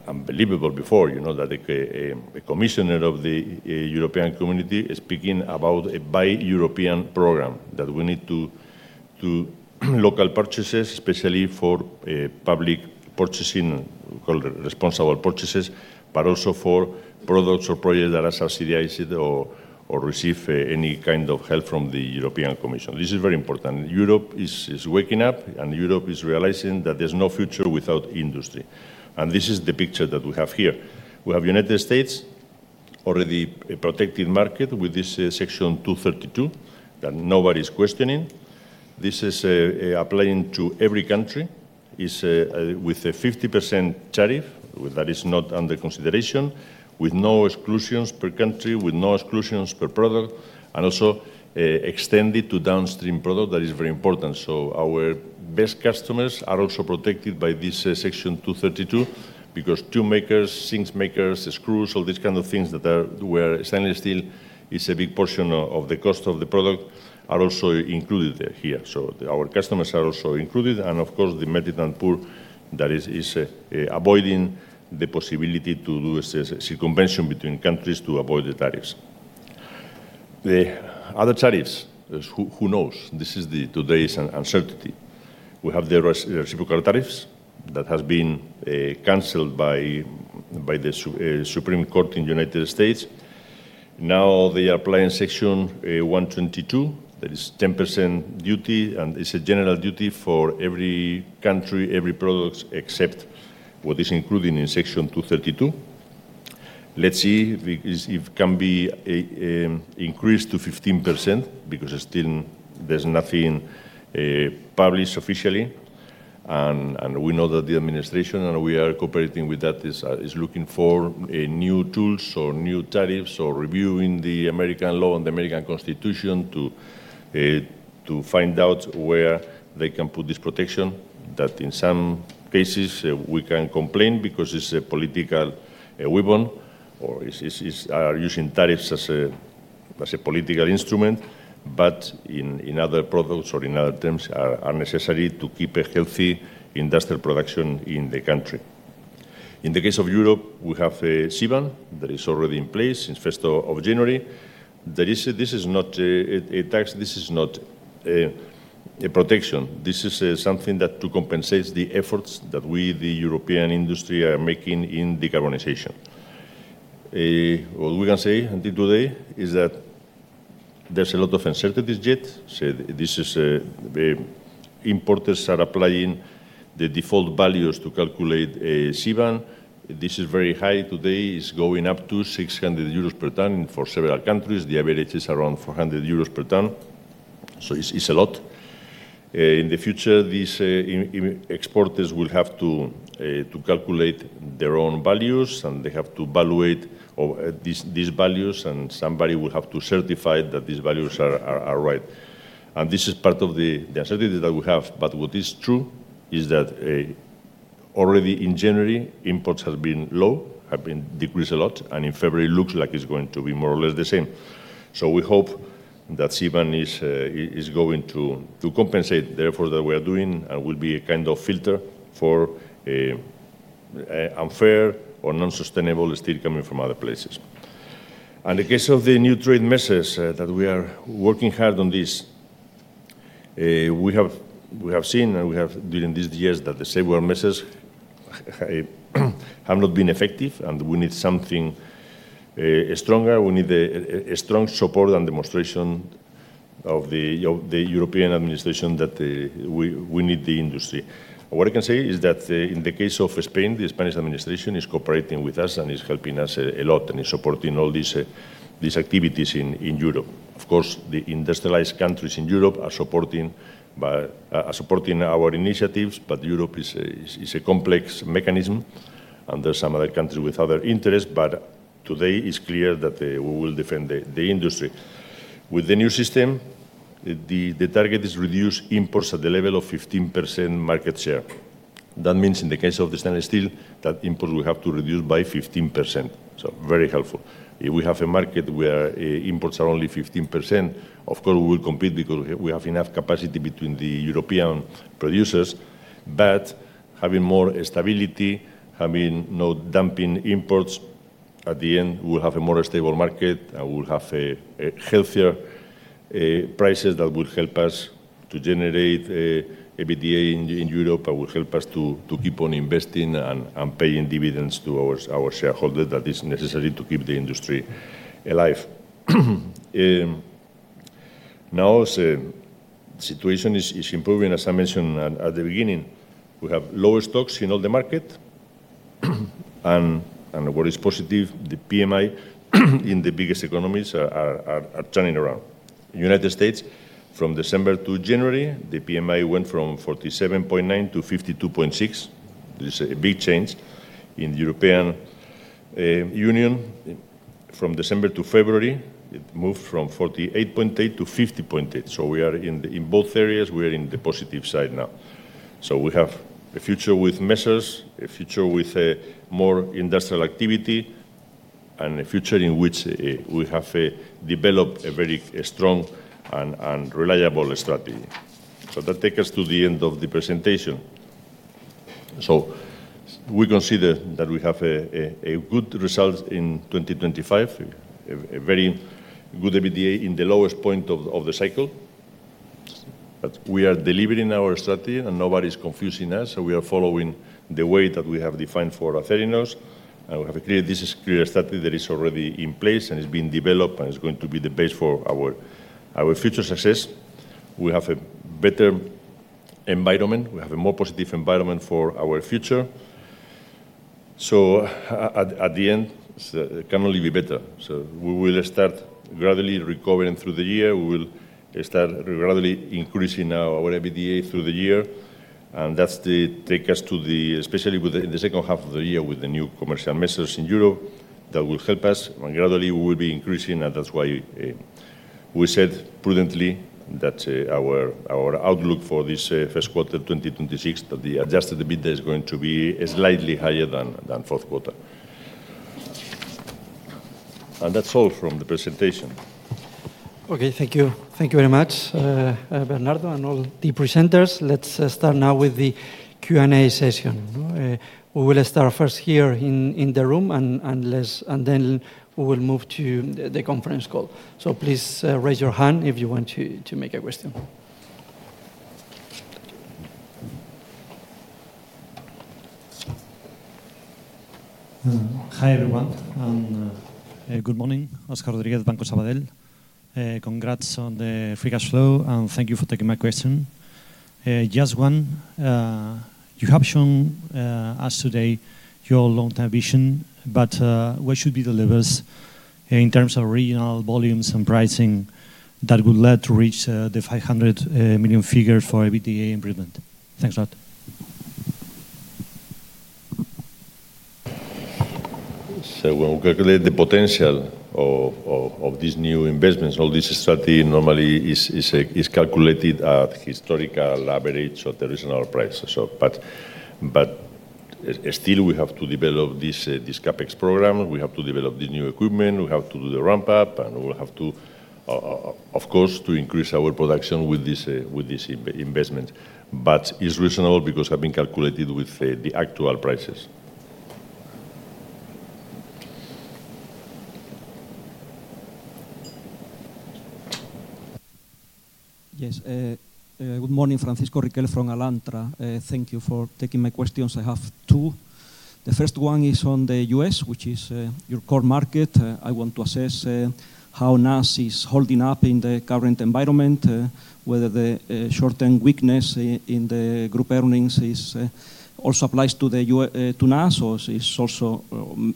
unbelievable before, you know, that a commissioner of the European Commission is speaking about a buy European program, that we need to do local purchases, especially for public purchasing, called responsible purchases, but also for products or projects that are subsidized or receive any kind of help from the European Commission. This is very important. Europe is waking up, and Europe is realizing that there's no future without industry, and this is the picture that we have here. We have United States, already a protected market with this Section 232, that nobody's questioning. This is applying to every country, is with a 50% tariff, that is not under consideration, with no exclusions per country, with no exclusions per product, and also extended to downstream product. That is very important. Our best customers are also protected by this Section 232, because tool makers, sinks makers, screws, all these kind of things that are where stainless steel is a big portion of the cost of the product, are also included here. Our customers are also included, and of course, the melted and poured, that is avoiding the possibility to do a circumvention between countries to avoid the tariffs. The other tariffs, who knows? This is the today's uncertainty. We have the reciprocal tariffs that has been canceled by the Supreme Court of the United States. Now, they are applying Section 122. That is 10% duty, and it's a general duty for every country, every products, except what is included in Section 232. Let's see if it can be increased to 15% because still there's nothing published officially. We know that the administration, and we are cooperating with that, is looking for a new tools or new tariffs or reviewing the American law and the American Constitution to find out where they can put this protection, that in some cases, we can complain because it's a political weapon or is using tariffs as a political instrument, but in other products or in other terms, are necessary to keep a healthy industrial production in the country. In the case of Europe, we have a CBAM that is already in place since 1st of January. This is not a tax, this is not a protection. This is something that to compensates the efforts that we, the European industry, are making in decarbonization. What we can say until today is that there's a lot of uncertainties yet. This is, the importers are applying the default values to calculate a CBAM. This is very high. Today, it's going up to 600 euros per ton for several countries. The average is around 400 euros per ton, it's a lot. In the future, these exporters will have to calculate their own values, and they have to evaluate all these values, and somebody will have to certify that these values are right. This is part of the uncertainty that we have. What is true is that already in January, imports have been low, have been decreased a lot, and in February, it looks like it's going to be more or less the same. We hope that CBAM is going to compensate, therefore, that we are doing and will be a kind of filter for unfair or non-sustainable steel coming from other places. In the case of the new trade measures that we are working hard on this, we have seen and we have, during these years, that the same measures have not been effective, and we need something stronger. We need a strong support and demonstration of the European Administration that we need the industry. What I can say is that, in the case of Spain, the Spanish administration is cooperating with us and is helping us a lot, and is supporting all these activities in Europe. Of course, the industrialized countries in Europe are supporting by. are supporting our initiatives, but Europe is a complex mechanism, and there are some other countries with other interests. Today, it's clear that, we will defend the industry. With the new system, the target is reduce imports at the level of 15% market share. That means in the case of the stainless steel, that imports will have to reduce by 15%, very helpful. If we have a market where, imports are only 15%, of course, we will compete because we have enough capacity between the European producers. Having more stability, having no dumping imports, at the end, we will have a more stable market, and we will have a healthier prices that will help us to generate EBITDA in Europe, and will help us to keep on investing and paying dividends to our shareholder. That is necessary to keep the industry alive. Now, the situation is improving. As I mentioned at the beginning, we have lower stocks in all the market. What is positive, the PMI in the biggest economies are turning around. United States, from December to January, the PMI went from 47.9-52.6. This is a big change. In the European Union, from December-February, it moved from 48.8-50.8. We are in both areas, we are in the positive side now. We have a future with measures, a future with more industrial activity, and a future in which we have developed a very strong and reliable strategy. That take us to the end of the presentation. We consider that we have a good result in 2025, a very good EBITDA in the lowest point of the cycle. We are delivering our strategy, and nobody's confusing us, we are following the way that we have defined for Acerinox. We have a clear strategy that is already in place and is being developed, and it's going to be the base for our future success. We have a better environment. We have a more positive environment for our future. At the end, it's can only be better. We will start gradually recovering through the year. We will start gradually increasing our EBITDA through the year, take us to the, especially with the, in the second half of the year, with the new commercial measures in Europe, that will help us. Gradually we will be increasing. That's why we said prudently that our outlook for this first quarter 2026, that the Adjusted EBITDA is going to be slightly higher than fourth quarter. That's all from the presentation. Okay, thank you. Thank you very much, Bernardo and all the presenters. Let's start now with the Q&A session. We will start first here in the room, then we will move to the conference call. Please raise your hand if you want to make a question. Hi, everyone, and good morning. Óscar Rodríguez, Banco Sabadell. Congrats on the free cash flow. Thank you for taking my question. Just one. You have shown us today your long-term vision. What should be the levers in terms of regional volumes and pricing that would lead to reach the 500 million figure for EBITDA improvement? Thanks a lot. When we calculate the potential of these new investments, all this strategy normally is calculated at historical average or the regional price. We have to develop this CapEx program. We have to develop the new equipment. We have to do the ramp-up, and we'll have to, of course, to increase our production with this investment. It's reasonable because having calculated with the actual prices. Yes, good morning. Francisco Riquel from Alantra. Thank you for taking my questions. I have two. The first one is on the U.S., which is your core market. I want to assess how NAS is holding up in the current environment, whether the short-term weakness in the group earnings is also applies to NAS or is also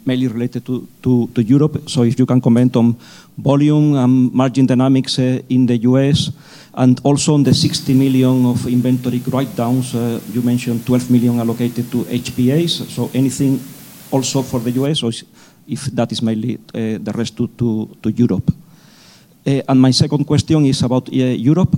mainly related to Europe. If you can comment on volume, margin dynamics in the U.S., and also on the 60 million of inventory write-downs. You mentioned 12 million allocated to HPAs, so anything also for the U.S. or if that is mainly the rest to Europe. My second question is about Europe.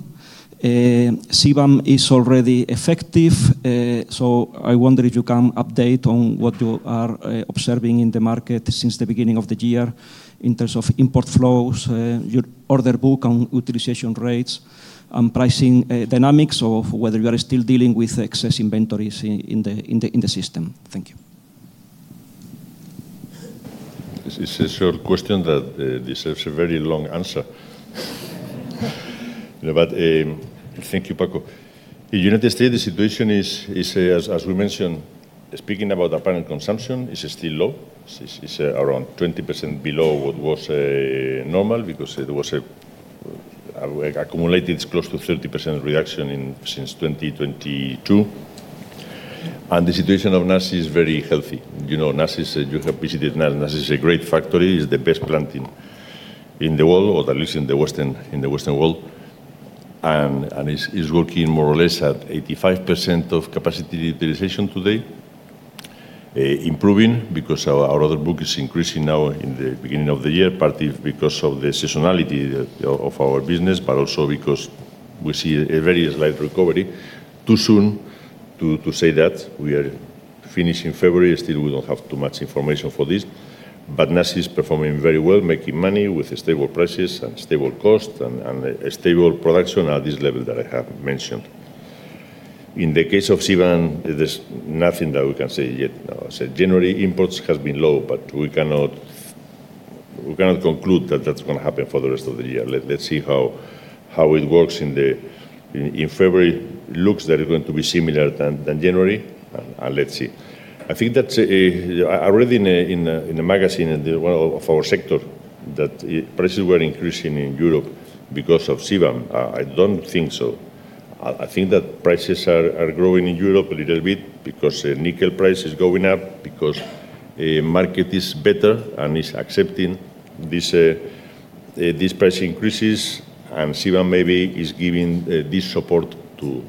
CBAM is already effective. I wonder if you can update on what you are observing in the market since the beginning of the year in terms of import flows, your order book on utilization rates, and pricing dynamics, or whether you are still dealing with excess inventories in the system. Thank you. This is a short question that deserves a very long answer. Thank you, Franco. The United States, the situation is, as we mentioned, speaking about apparent consumption, is still low. It's around 20% below what was normal because there was a accumulated close to 30% reduction since 2022. The situation of NAS is very healthy. You know, NAS, you have visited NAS. NAS is a great factory. It's the best plant in the world, or at least in the Western world. It's working more or less at 85% of capacity utilization today. Improving because our order book is increasing now in the beginning of the year, partly because of the seasonality of our business, but also because we see a very slight recovery. Too soon to say that we are finished in February. Still, we don't have too much information for this. NAS is performing very well, making money with stable prices and stable costs and a stable production at this level that I have mentioned. In the case of CBAM, there's nothing that we can say yet. Generally, imports has been low, but we cannot conclude that that's going to happen for the rest of the year. Let's see how it works. In February, it looks that it's going to be similar than January, and let's see. I think that's. I read in a magazine in the one of our sector, that prices were increasing in Europe because of CBAM. I don't think so. I think that prices are growing in Europe a little bit because the nickel price is going up, because the market is better and is accepting these price increases, and CBAM maybe is giving this support to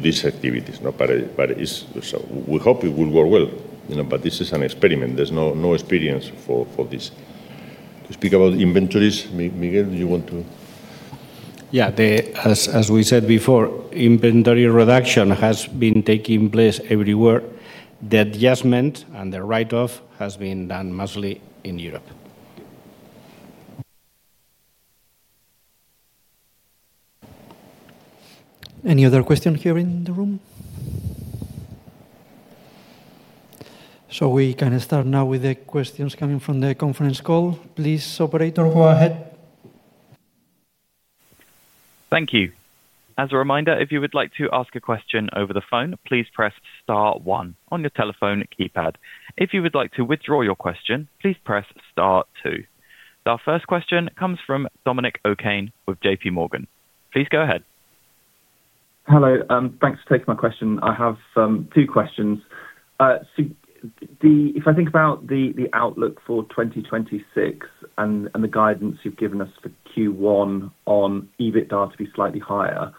these activities. Not but it, but it is so we hope it will work well, you know, but this is an experiment. There's no experience for this. To speak about inventories, Miguel, do you want to? Yeah. As we said before, inventory reduction has been taking place everywhere. The adjustment and the write-off has been done mostly in Europe. Thank you. Any other question here in the room? We can start now with the questions coming from the conference call. Please, operator, go ahead. Thank you. As a reminder, if you would like to ask a question over the phone, please press star one on your telephone keypad. If you would like to withdraw your question, please press star two. Our first question comes from Dominic OKane with JP Morgan. Please go ahead. Hello. Thanks for taking my question. I have two questions. If I think about the outlook for 2026 and the guidance you've given us for Q1 on EBITDA to be slightly higher,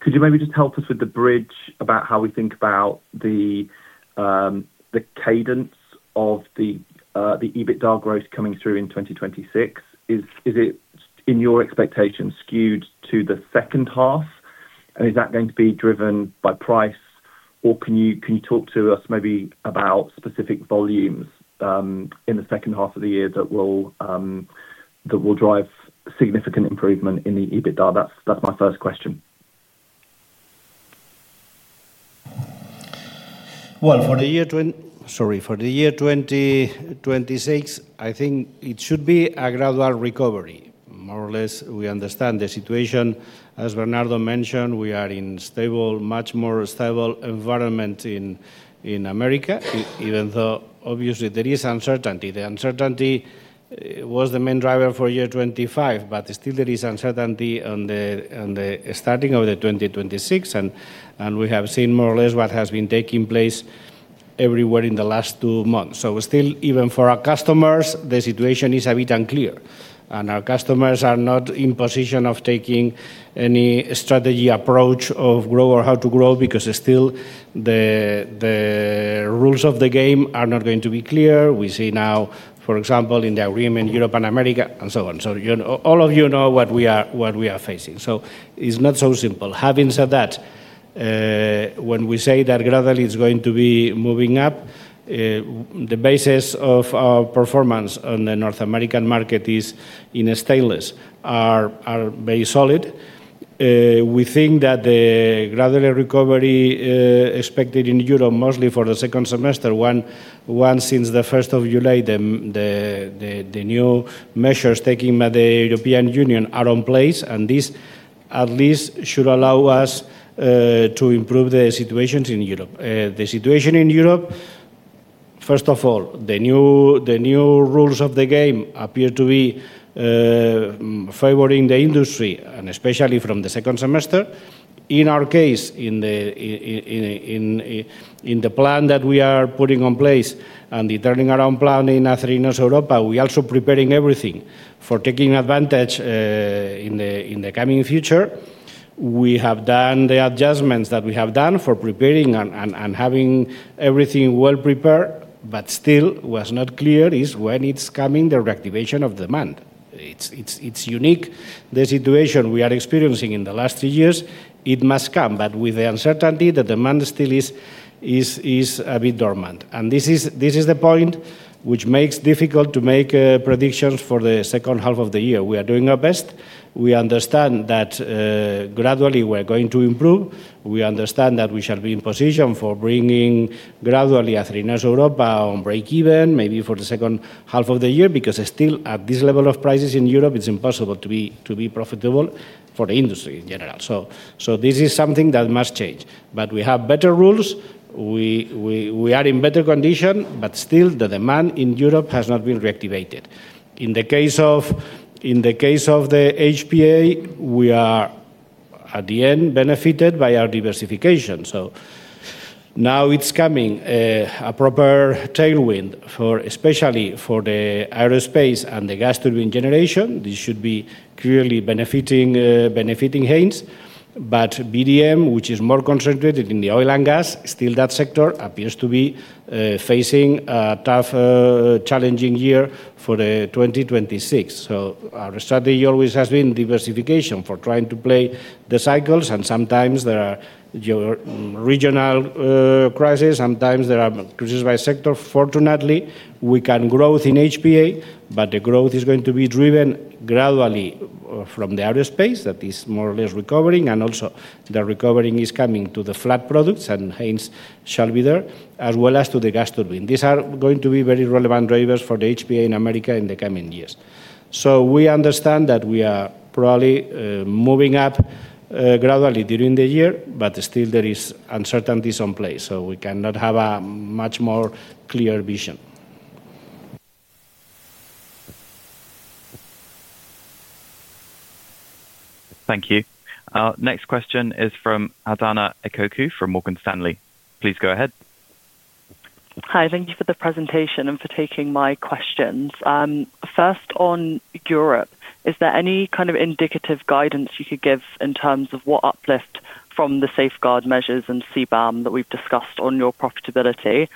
could you maybe just help us with the bridge about how we think about the cadence of the EBITDA growth coming through in 2026? Is it, in your expectation, skewed to the second half? Is that going to be driven by price, or can you talk to us maybe about specific volumes in the second half of the year that will drive significant improvement in the EBITDA? That's my first question. Well, for the year sorry, for the year 2026, I think it should be a gradual recovery, more or less. We understand the situation. As Bernardo mentioned, we are in stable, much more stable environment in America, even though obviously there is uncertainty. The uncertainty was the main driver for year 25, but still there is uncertainty on the starting of the 2026, and we have seen more or less what has been taking place everywhere in the last two months. Still, even for our customers, the situation is a bit unclear, and our customers are not in position of taking any strategy approach of grow or how to grow because still the rules of the game are not going to be clear. We see now, for example, in the agreement, Europe and America and so on. You know, all of you know what we are, what we are facing, so it's not so simple. Having said that, when we say that gradually it's going to be moving up, the basis of our performance on the North American market is in stainless are very solid. We think that the gradual recovery, expected in Europe, mostly for the second semester, one since the 1st of July, the new measures taken by the European Union are in place, and this at least should allow us to improve the situations in Europe. The situation in Europe, first of all, the new rules of the game appear to be favoring the industry, and especially from the second semester. In our case, in the plan that we are putting in place and the turning around plan in Acerinox Europa, we're also preparing everything for taking advantage in the coming future. We have done the adjustments that we have done for preparing and having everything well prepared, but still what's not clear is when it's coming, the reactivation of demand. It's unique, the situation we are experiencing in the last two years, it must come, but with the uncertainty, the demand still is a bit dormant. This is the point which makes difficult to make predictions for the second half of the year. We are doing our best. We understand that gradually we're going to improve. We understand that we shall be in position for bringing gradually Acerinox Europa on break even maybe for the second half of the year, because still at this level of prices in Europe, it's impossible to be profitable for the industry in general. This is something that must change. We have better rules. We are in better condition, but still the demand in Europe has not been reactivated. In the case of the HPA, we are, at the end, benefited by our diversification. Now it's coming a proper tailwind for, especially for the aerospace and the gas turbine generation. This should be clearly benefiting Haynes. VDM, which is more concentrated in the oil and gas, still that sector appears to be facing a tough, challenging year for the 2026. Our strategy always has been diversification for trying to play the cycles, and sometimes there are your regional crisis, sometimes there are crises by sector. Fortunately, we can growth in HPA, but the growth is going to be driven gradually from the aerospace that is more or less recovering, and also the recovering is coming to the flat products, and Haynes shall be there, as well as to the gas turbine. These are going to be very relevant drivers for the HPA in America in the coming years. We understand that we are probably moving up gradually during the year, but still there is uncertainties in place, so we cannot have a much more clear vision. Thank you. Our next question is from Adahna Ekoku from Morgan Stanley. Please go ahead. Hi, thank you for the presentation and for taking my questions. First on Europe, is there any kind of indicative guidance you could give in terms of what uplift from the safeguard measures and CBAM that we've discussed on your profitability?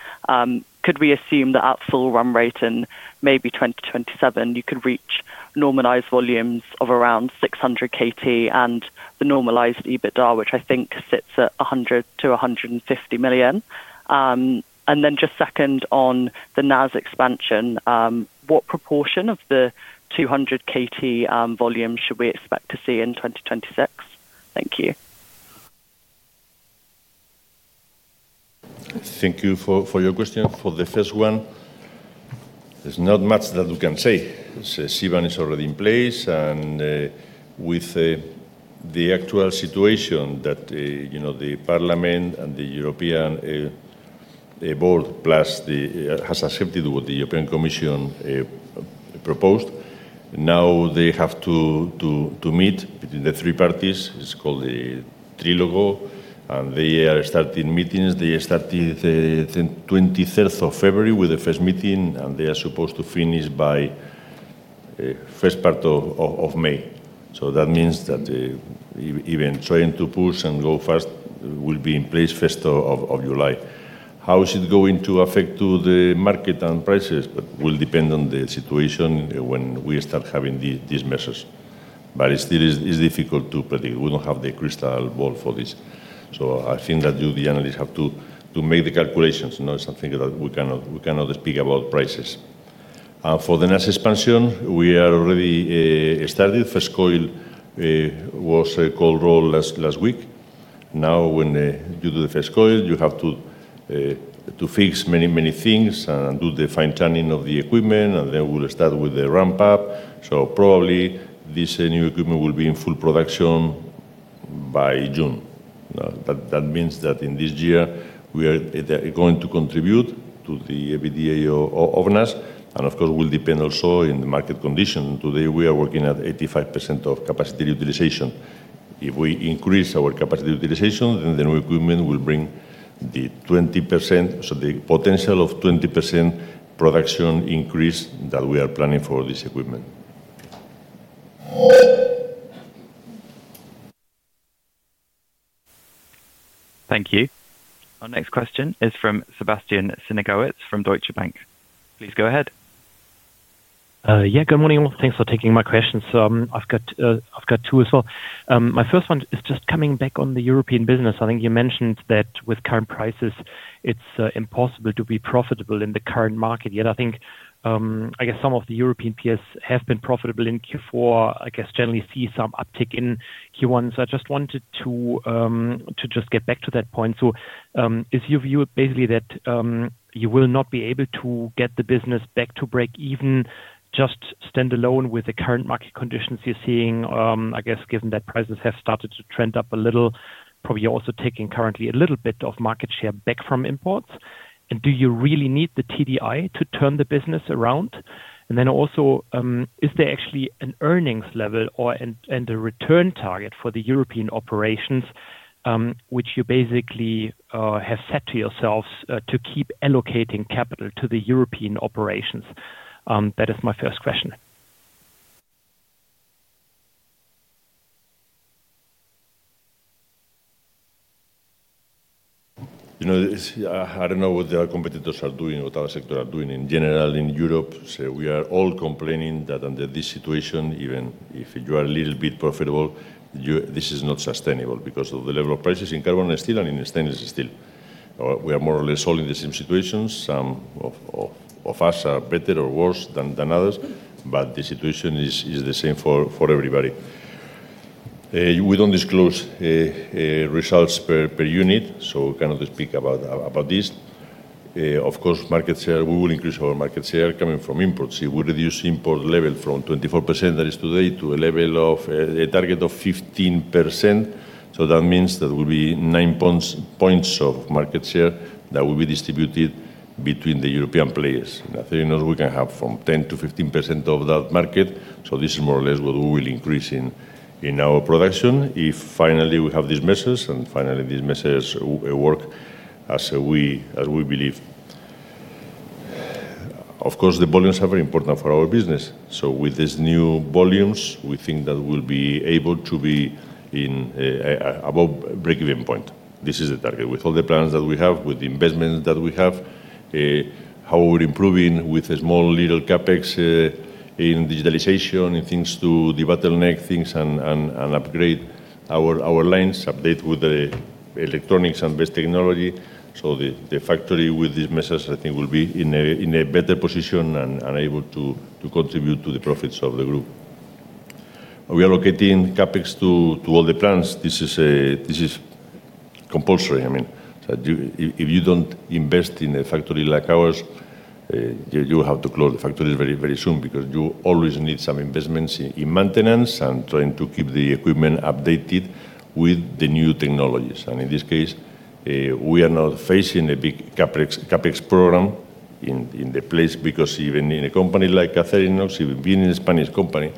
Could we assume that at full run rate in maybe 2027, you could reach normalized volumes of around 600 KT and the normalized EBITDA, which I think sits at 100 million-150 million? Then just second on the NAS expansion, what proportion of the 200 KT volume should we expect to see in 2026? Thank you. Thank you for your question. For the first one, there's not much that we can say. CBAM is already in place and with the actual situation that, you know, the Parliament and the European Board, plus the has accepted what the European Commission proposed. Now they have to meet between the three parties. It's called the Trilogue, and they are starting meetings. They started the 23rd of February with the first meeting, and they are supposed to finish by first part of May. That means that even trying to push and go fast will be in place first of July. How is it going to affect to the market and prices? Will depend on the situation when we start having these measures. It still is difficult to predict. We don't have the crystal ball for this. I think that you, the analysts, have to make the calculations. Not something that we cannot speak about prices. For the next expansion, we are already started. First coil was a cold roll last week. When you do the first coil, you have to fix many, many things and do the fine-tuning of the equipment. We will start with the ramp up. Probably this new equipment will be in full production by June. That means that in this year, we are going to contribute to the EBITDA of NAS, and of course, will depend also in the market condition. Today, we are working at 85% of capacity utilization. If we increase our capacity utilization, then the new equipment will bring the 20%, so the potential of 20% production increase that we are planning for this equipment. Thank you. Our next question is from Bastian Synagowitz from Deutsche Bank. Please go ahead. Good morning. Thanks for taking my questions. I've got two as well. My first one is just coming back on the European business. I think you mentioned that with current prices, it's impossible to be profitable in the current market, yet I think some of the European peers have been profitable in Q4. Generally see some uptick in Q1. I just wanted to just get back to that point. Is your view basically that you will not be able to get the business back to break even, just stand alone with the current market conditions you're seeing, given that prices have started to trend up a little, probably also taking currently a little bit of market share back from imports? Do you really need the TDI to turn the business around? Is there actually an earnings level or, and a return target for the European operations, which you basically have set to yourselves to keep allocating capital to the European operations? That is my first question. You know, it's, I don't know what the other competitors are doing, what other sector are doing in general in Europe. We are all complaining that under this situation, even if you are a little bit profitable, this is not sustainable because of the level of prices in carbon steel and in stainless steel. We are more or less all in the same situations. Some of us are better or worse than others, but the situation is the same for everybody. We don't disclose results per unit, so we cannot speak about this. Of course, market share, we will increase our market share coming from imports. It will reduce import level from 24%, that is today, to a level of a target of 15%. That means there will be 9 points of market share that will be distributed between the European players. Nothing else we can have from 10%-15% of that market, so this is more or less what we will increase in our production. If finally we have these measures, and finally these measures work as we believe. Of course, the volumes are very important for our business. With these new volumes, we think that we'll be able to be above break-even point. This is the target. With all the plans that we have, with the investments that we have, how we're improving with a small little CapEx in digitalization and things to the bottleneck things and upgrade our lines, update with the electronics and best technology. The factory with these measures, I think will be in a better position and able to contribute to the profits of the group. We are allocating CapEx to all the plants. This is compulsory. I mean, if you don't invest in a factory like ours, you have to close the factory very, very soon because you always need some investments in maintenance and trying to keep the equipment updated with the new technologies. In this case, we are now facing a big CapEx program in the place, because even in a company like Acerinox, even being a Spanish company,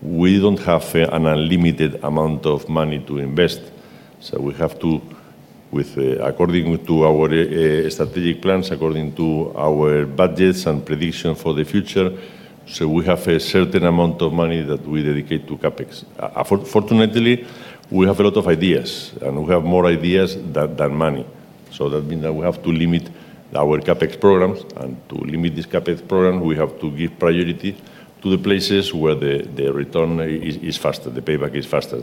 we don't have an unlimited amount of money to invest. We have to, with, according to our strategic plans, according to our budgets and prediction for the future, so we have a certain amount of money that we dedicate to CapEx. Fortunately, we have a lot of ideas, and we have more ideas than money. That means that we have to limit our CapEx programs, and to limit this CapEx program, we have to give priority to the places where the return is faster, the payback is faster.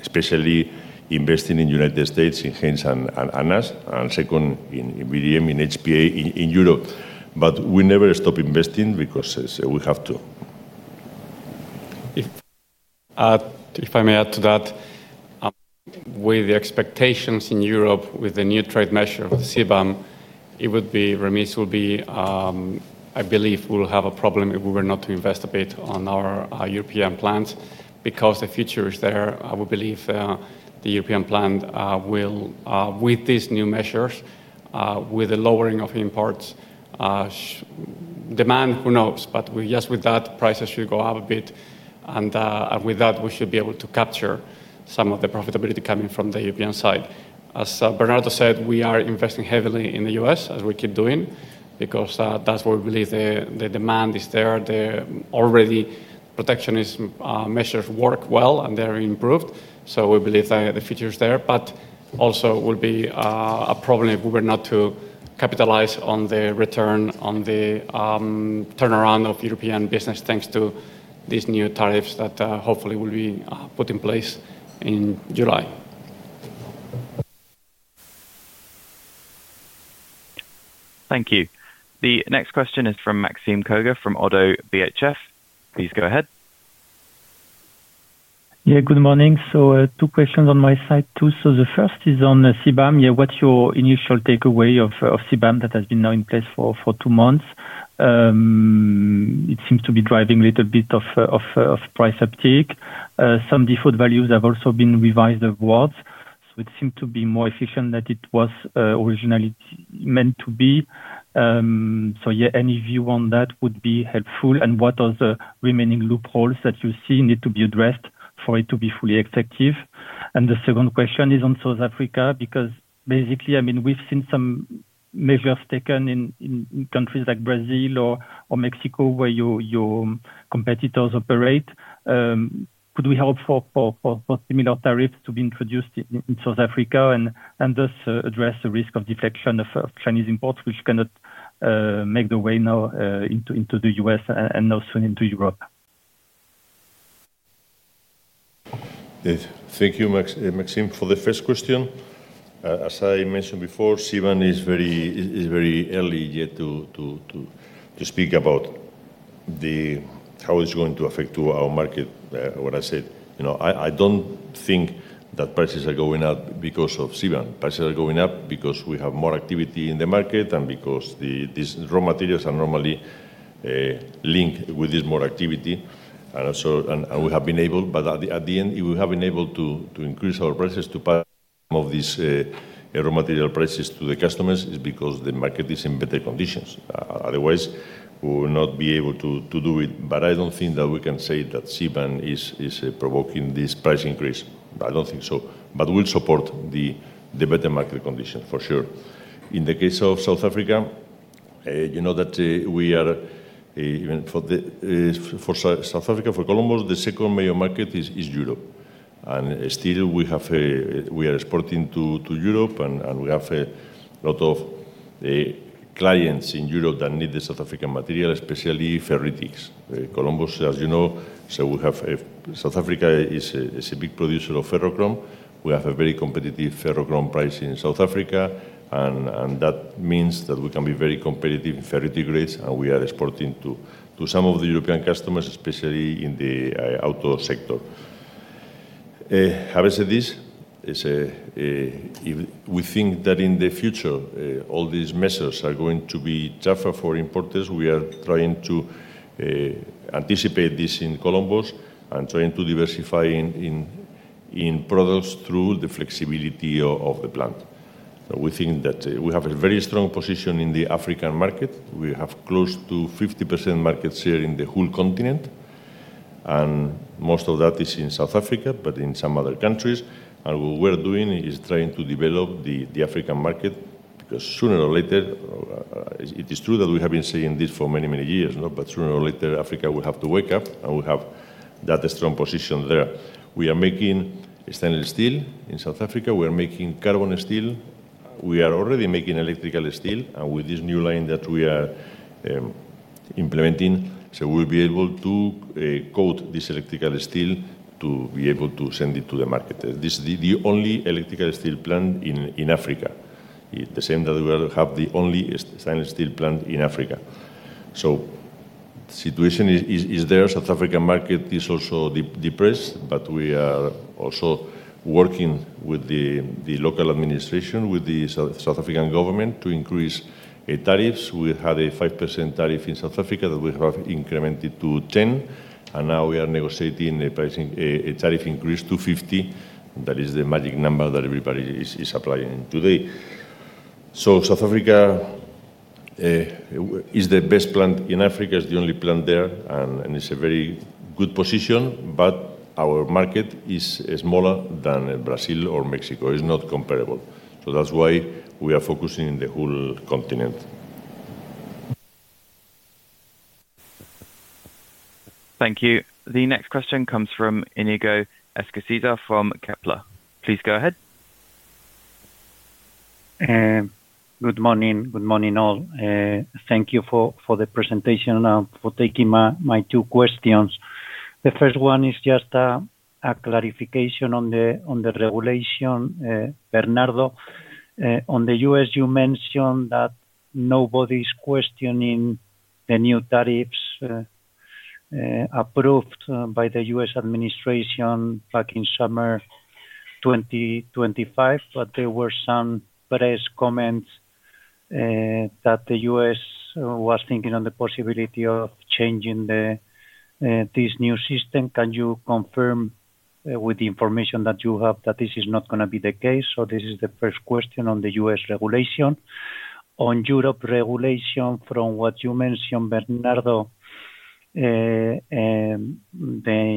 Especially investing in United States, in Haynes and NAS, and second in VDM, in HPA, in Europe. We never stop investing because we have to. If I may add to that, with the expectations in Europe, with the new trade measure of CBAM, remiss will be, I believe we will have a problem if we were not to invest a bit on our European plants, because the future is there. I would believe the European plant will, with these new measures, with the lowering of imports, demand, who knows? We just with that, prices should go up a bit, and with that, we should be able to capture some of the profitability coming from the European side. As Bernardo said, we are investing heavily in the U.S., as we keep doing, because that's where we believe the demand is there. Already protectionism measures work well, and they are improved, so we believe the future is there. Also will be a problem if we were not to capitalize on the return, on the turnaround of European business, thanks to these new tariffs that hopefully will be put in place in July. Thank you. The next question is from Maxime Kogge, from ODDO BHF. Please go ahead. Good morning. Two questions on my side, too. The first is on the CBAM. What's your initial takeaway of CBAM that has been now in place for two months? It seems to be driving a little bit of price uptick. Some default values have also been revised awards, so it seemed to be more efficient than it was originally meant to be. Any view on that would be helpful, and what are the remaining loopholes that you see need to be addressed for it to be fully effective? The second question is on South Africa, because basically, I mean, we've seen some measures taken in countries like Brazil or Mexico, where your competitors operate. Could we hope for similar tariffs to be introduced in South Africa and thus address the risk of deflection of Chinese imports, which cannot make their way now into the U.S. and also into Europe? Thank you, Maxime, for the first question. As I mentioned before, CBAM is very early yet to speak about the how it's going to affect to our market. What I said, you know, I don't think that prices are going up because of CBAM. Prices are going up because we have more activity in the market and because these raw materials are normally linked with this more activity. At the end, we have been able to increase our prices of these raw material prices to the customers is because the market is in better conditions. Otherwise, we will not be able to do it. I don't think that we can say that CBAM is provoking this price increase. I don't think so, but we'll support the better market condition, for sure. In the case of South Africa, you know that we are even for South Africa, for Columbus, the second major market is Europe. Still we have, we are exporting to Europe, and we have a lot of clients in Europe that need the South African material, especially ferritics. Columbus, as you know, so we have South Africa is a big producer of ferrochrome. We have a very competitive ferrochrome price in South Africa, and that means that we can be very competitive in ferritic grades, and we are exporting to some of the European customers, especially in the outdoor sector. if we think that in the future, all these measures are going to be tougher for importers, we are trying to anticipate this in Columbus Stainless and trying to diversify in products through the flexibility of the plant. We think that we have a very strong position in the African market. We have close to 50% market share in the whole continent, and most of that is in South Africa, but in some other countries. What we're doing is trying to develop the African market, because sooner or later, it is true that we have been saying this for many, many years, but sooner or later, Africa will have to wake up, and we have that strong position there. We are making stainless steel in South Africa. We are making carbon steel We are already making electrical steel, with this new line that we are implementing, we'll be able to coat this electrical steel to be able to send it to the market. This is the only electrical steel plant in Africa. It's the same that we have the only stainless steel plant in Africa. The situation is there. South African market is also depressed, we are also working with the local administration, with the South African government, to increase tariffs. We had a 5% tariff in South Africa that we have incremented to 10%, now we are negotiating a pricing, a tariff increase to 50%. That is the magic number that everybody is applying today. South Africa is the best plant in Africa. It's the only plant there, and it's a very good position, but our market is smaller than Brazil or Mexico. It's not comparable. That's why we are focusing on the whole continent. Thank you. The next question comes from Iñigo Egusquiza from Kepler. Please go ahead. Good morning. Good morning, all. Thank you for the presentation and for taking my two questions. The first one is just a clarification on the, on the regulation. Bernardo, on the U.S., you mentioned that nobody's questioning the new tariffs, approved by the U.S. administration back in summer 2025, but there were some press comments that the U.S. was thinking on the possibility of changing the, this new system. Can you confirm, with the information that you have, that this is not gonna be the case? This is the first question on the U.S. regulation. On Europe regulation, from what you mentioned, Bernardo, the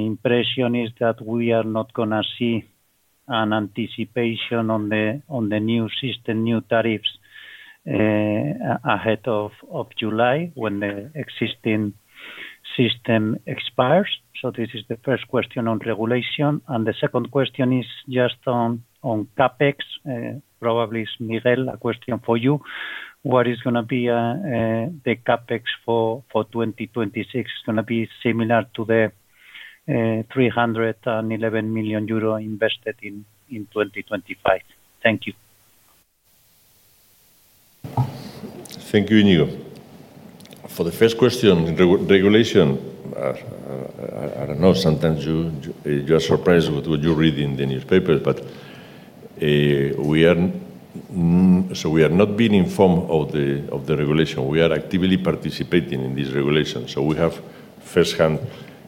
impression is that we are not gonna see an anticipation on the, on the new system, new tariffs, ahead of July, when the existing system expires. This is the first question on regulation. The second question is just on CapEx. Probably, Miguel, a question for you. What is gonna be the CapEx for 2026? It's gonna be similar to the 311 million euro invested in 2025. Thank you. Thank you, Iñigo. For the first question, regulation, I don't know, sometimes you are surprised with what you read in the newspaper, we are not being informed of the regulation. We are actively participating in this regulation, we have first-hand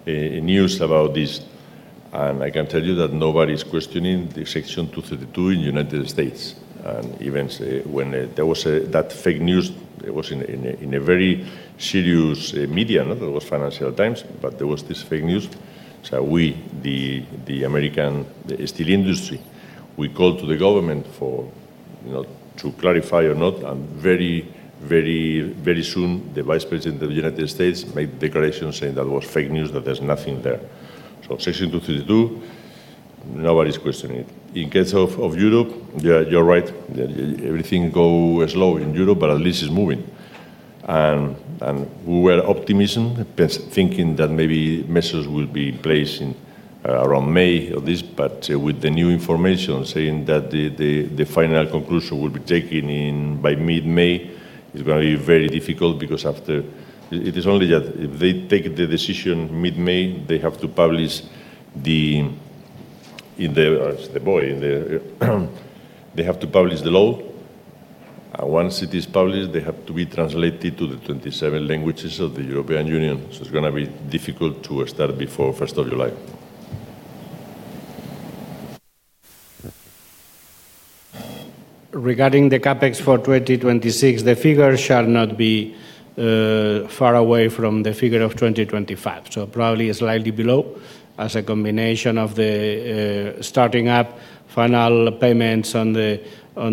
news about this. I can tell you that nobody's questioning the Section 232 in United States. Even when there was that fake news, it was in a very serious media, it was Financial Times, there was this fake news. We, the American steel industry, we called to the government for, you know, to clarify or not, very soon, the Vice President of the United States made a declaration saying that was fake news, that there's nothing there. Section 232, nobody's questioning it. In case of Europe, you are, you're right. Everything go slow in Europe, but at least it's moving. We were optimism, thinking that maybe measures will be in place in around May of this, but with the new information saying that the final conclusion will be taken in by mid-May, it's gonna be very difficult because after, it is only that if they take the decision mid-May, they have to publish the, in the, as the boy, in the, they have to publish the law, and once it is published, they have to be translated to the 27 languages of the European Union. It's gonna be difficult to start before 1st of July. Regarding the CapEx for 2026, the figure shall not be far away from the figure of 2025. Probably slightly below, as a combination of the starting up final payments on the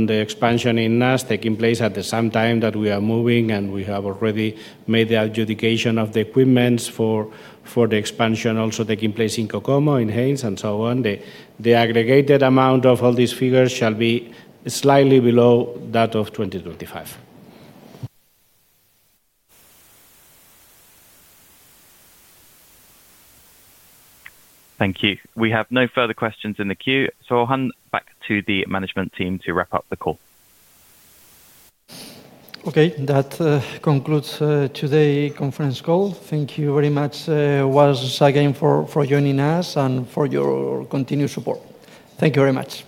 expansion in NAS taking place at the same time that we are moving, and we have already made the adjudication of the equipments for the expansion also taking place in Kokomo, in Haynes, and so on. The aggregated amount of all these figures shall be slightly below that of 2025. Thank you. We have no further questions in the queue, so I'll hand back to the management team to wrap up the call. Okay. That concludes today conference call. Thank you very much, once again, for joining us and for your continued support. Thank you very much.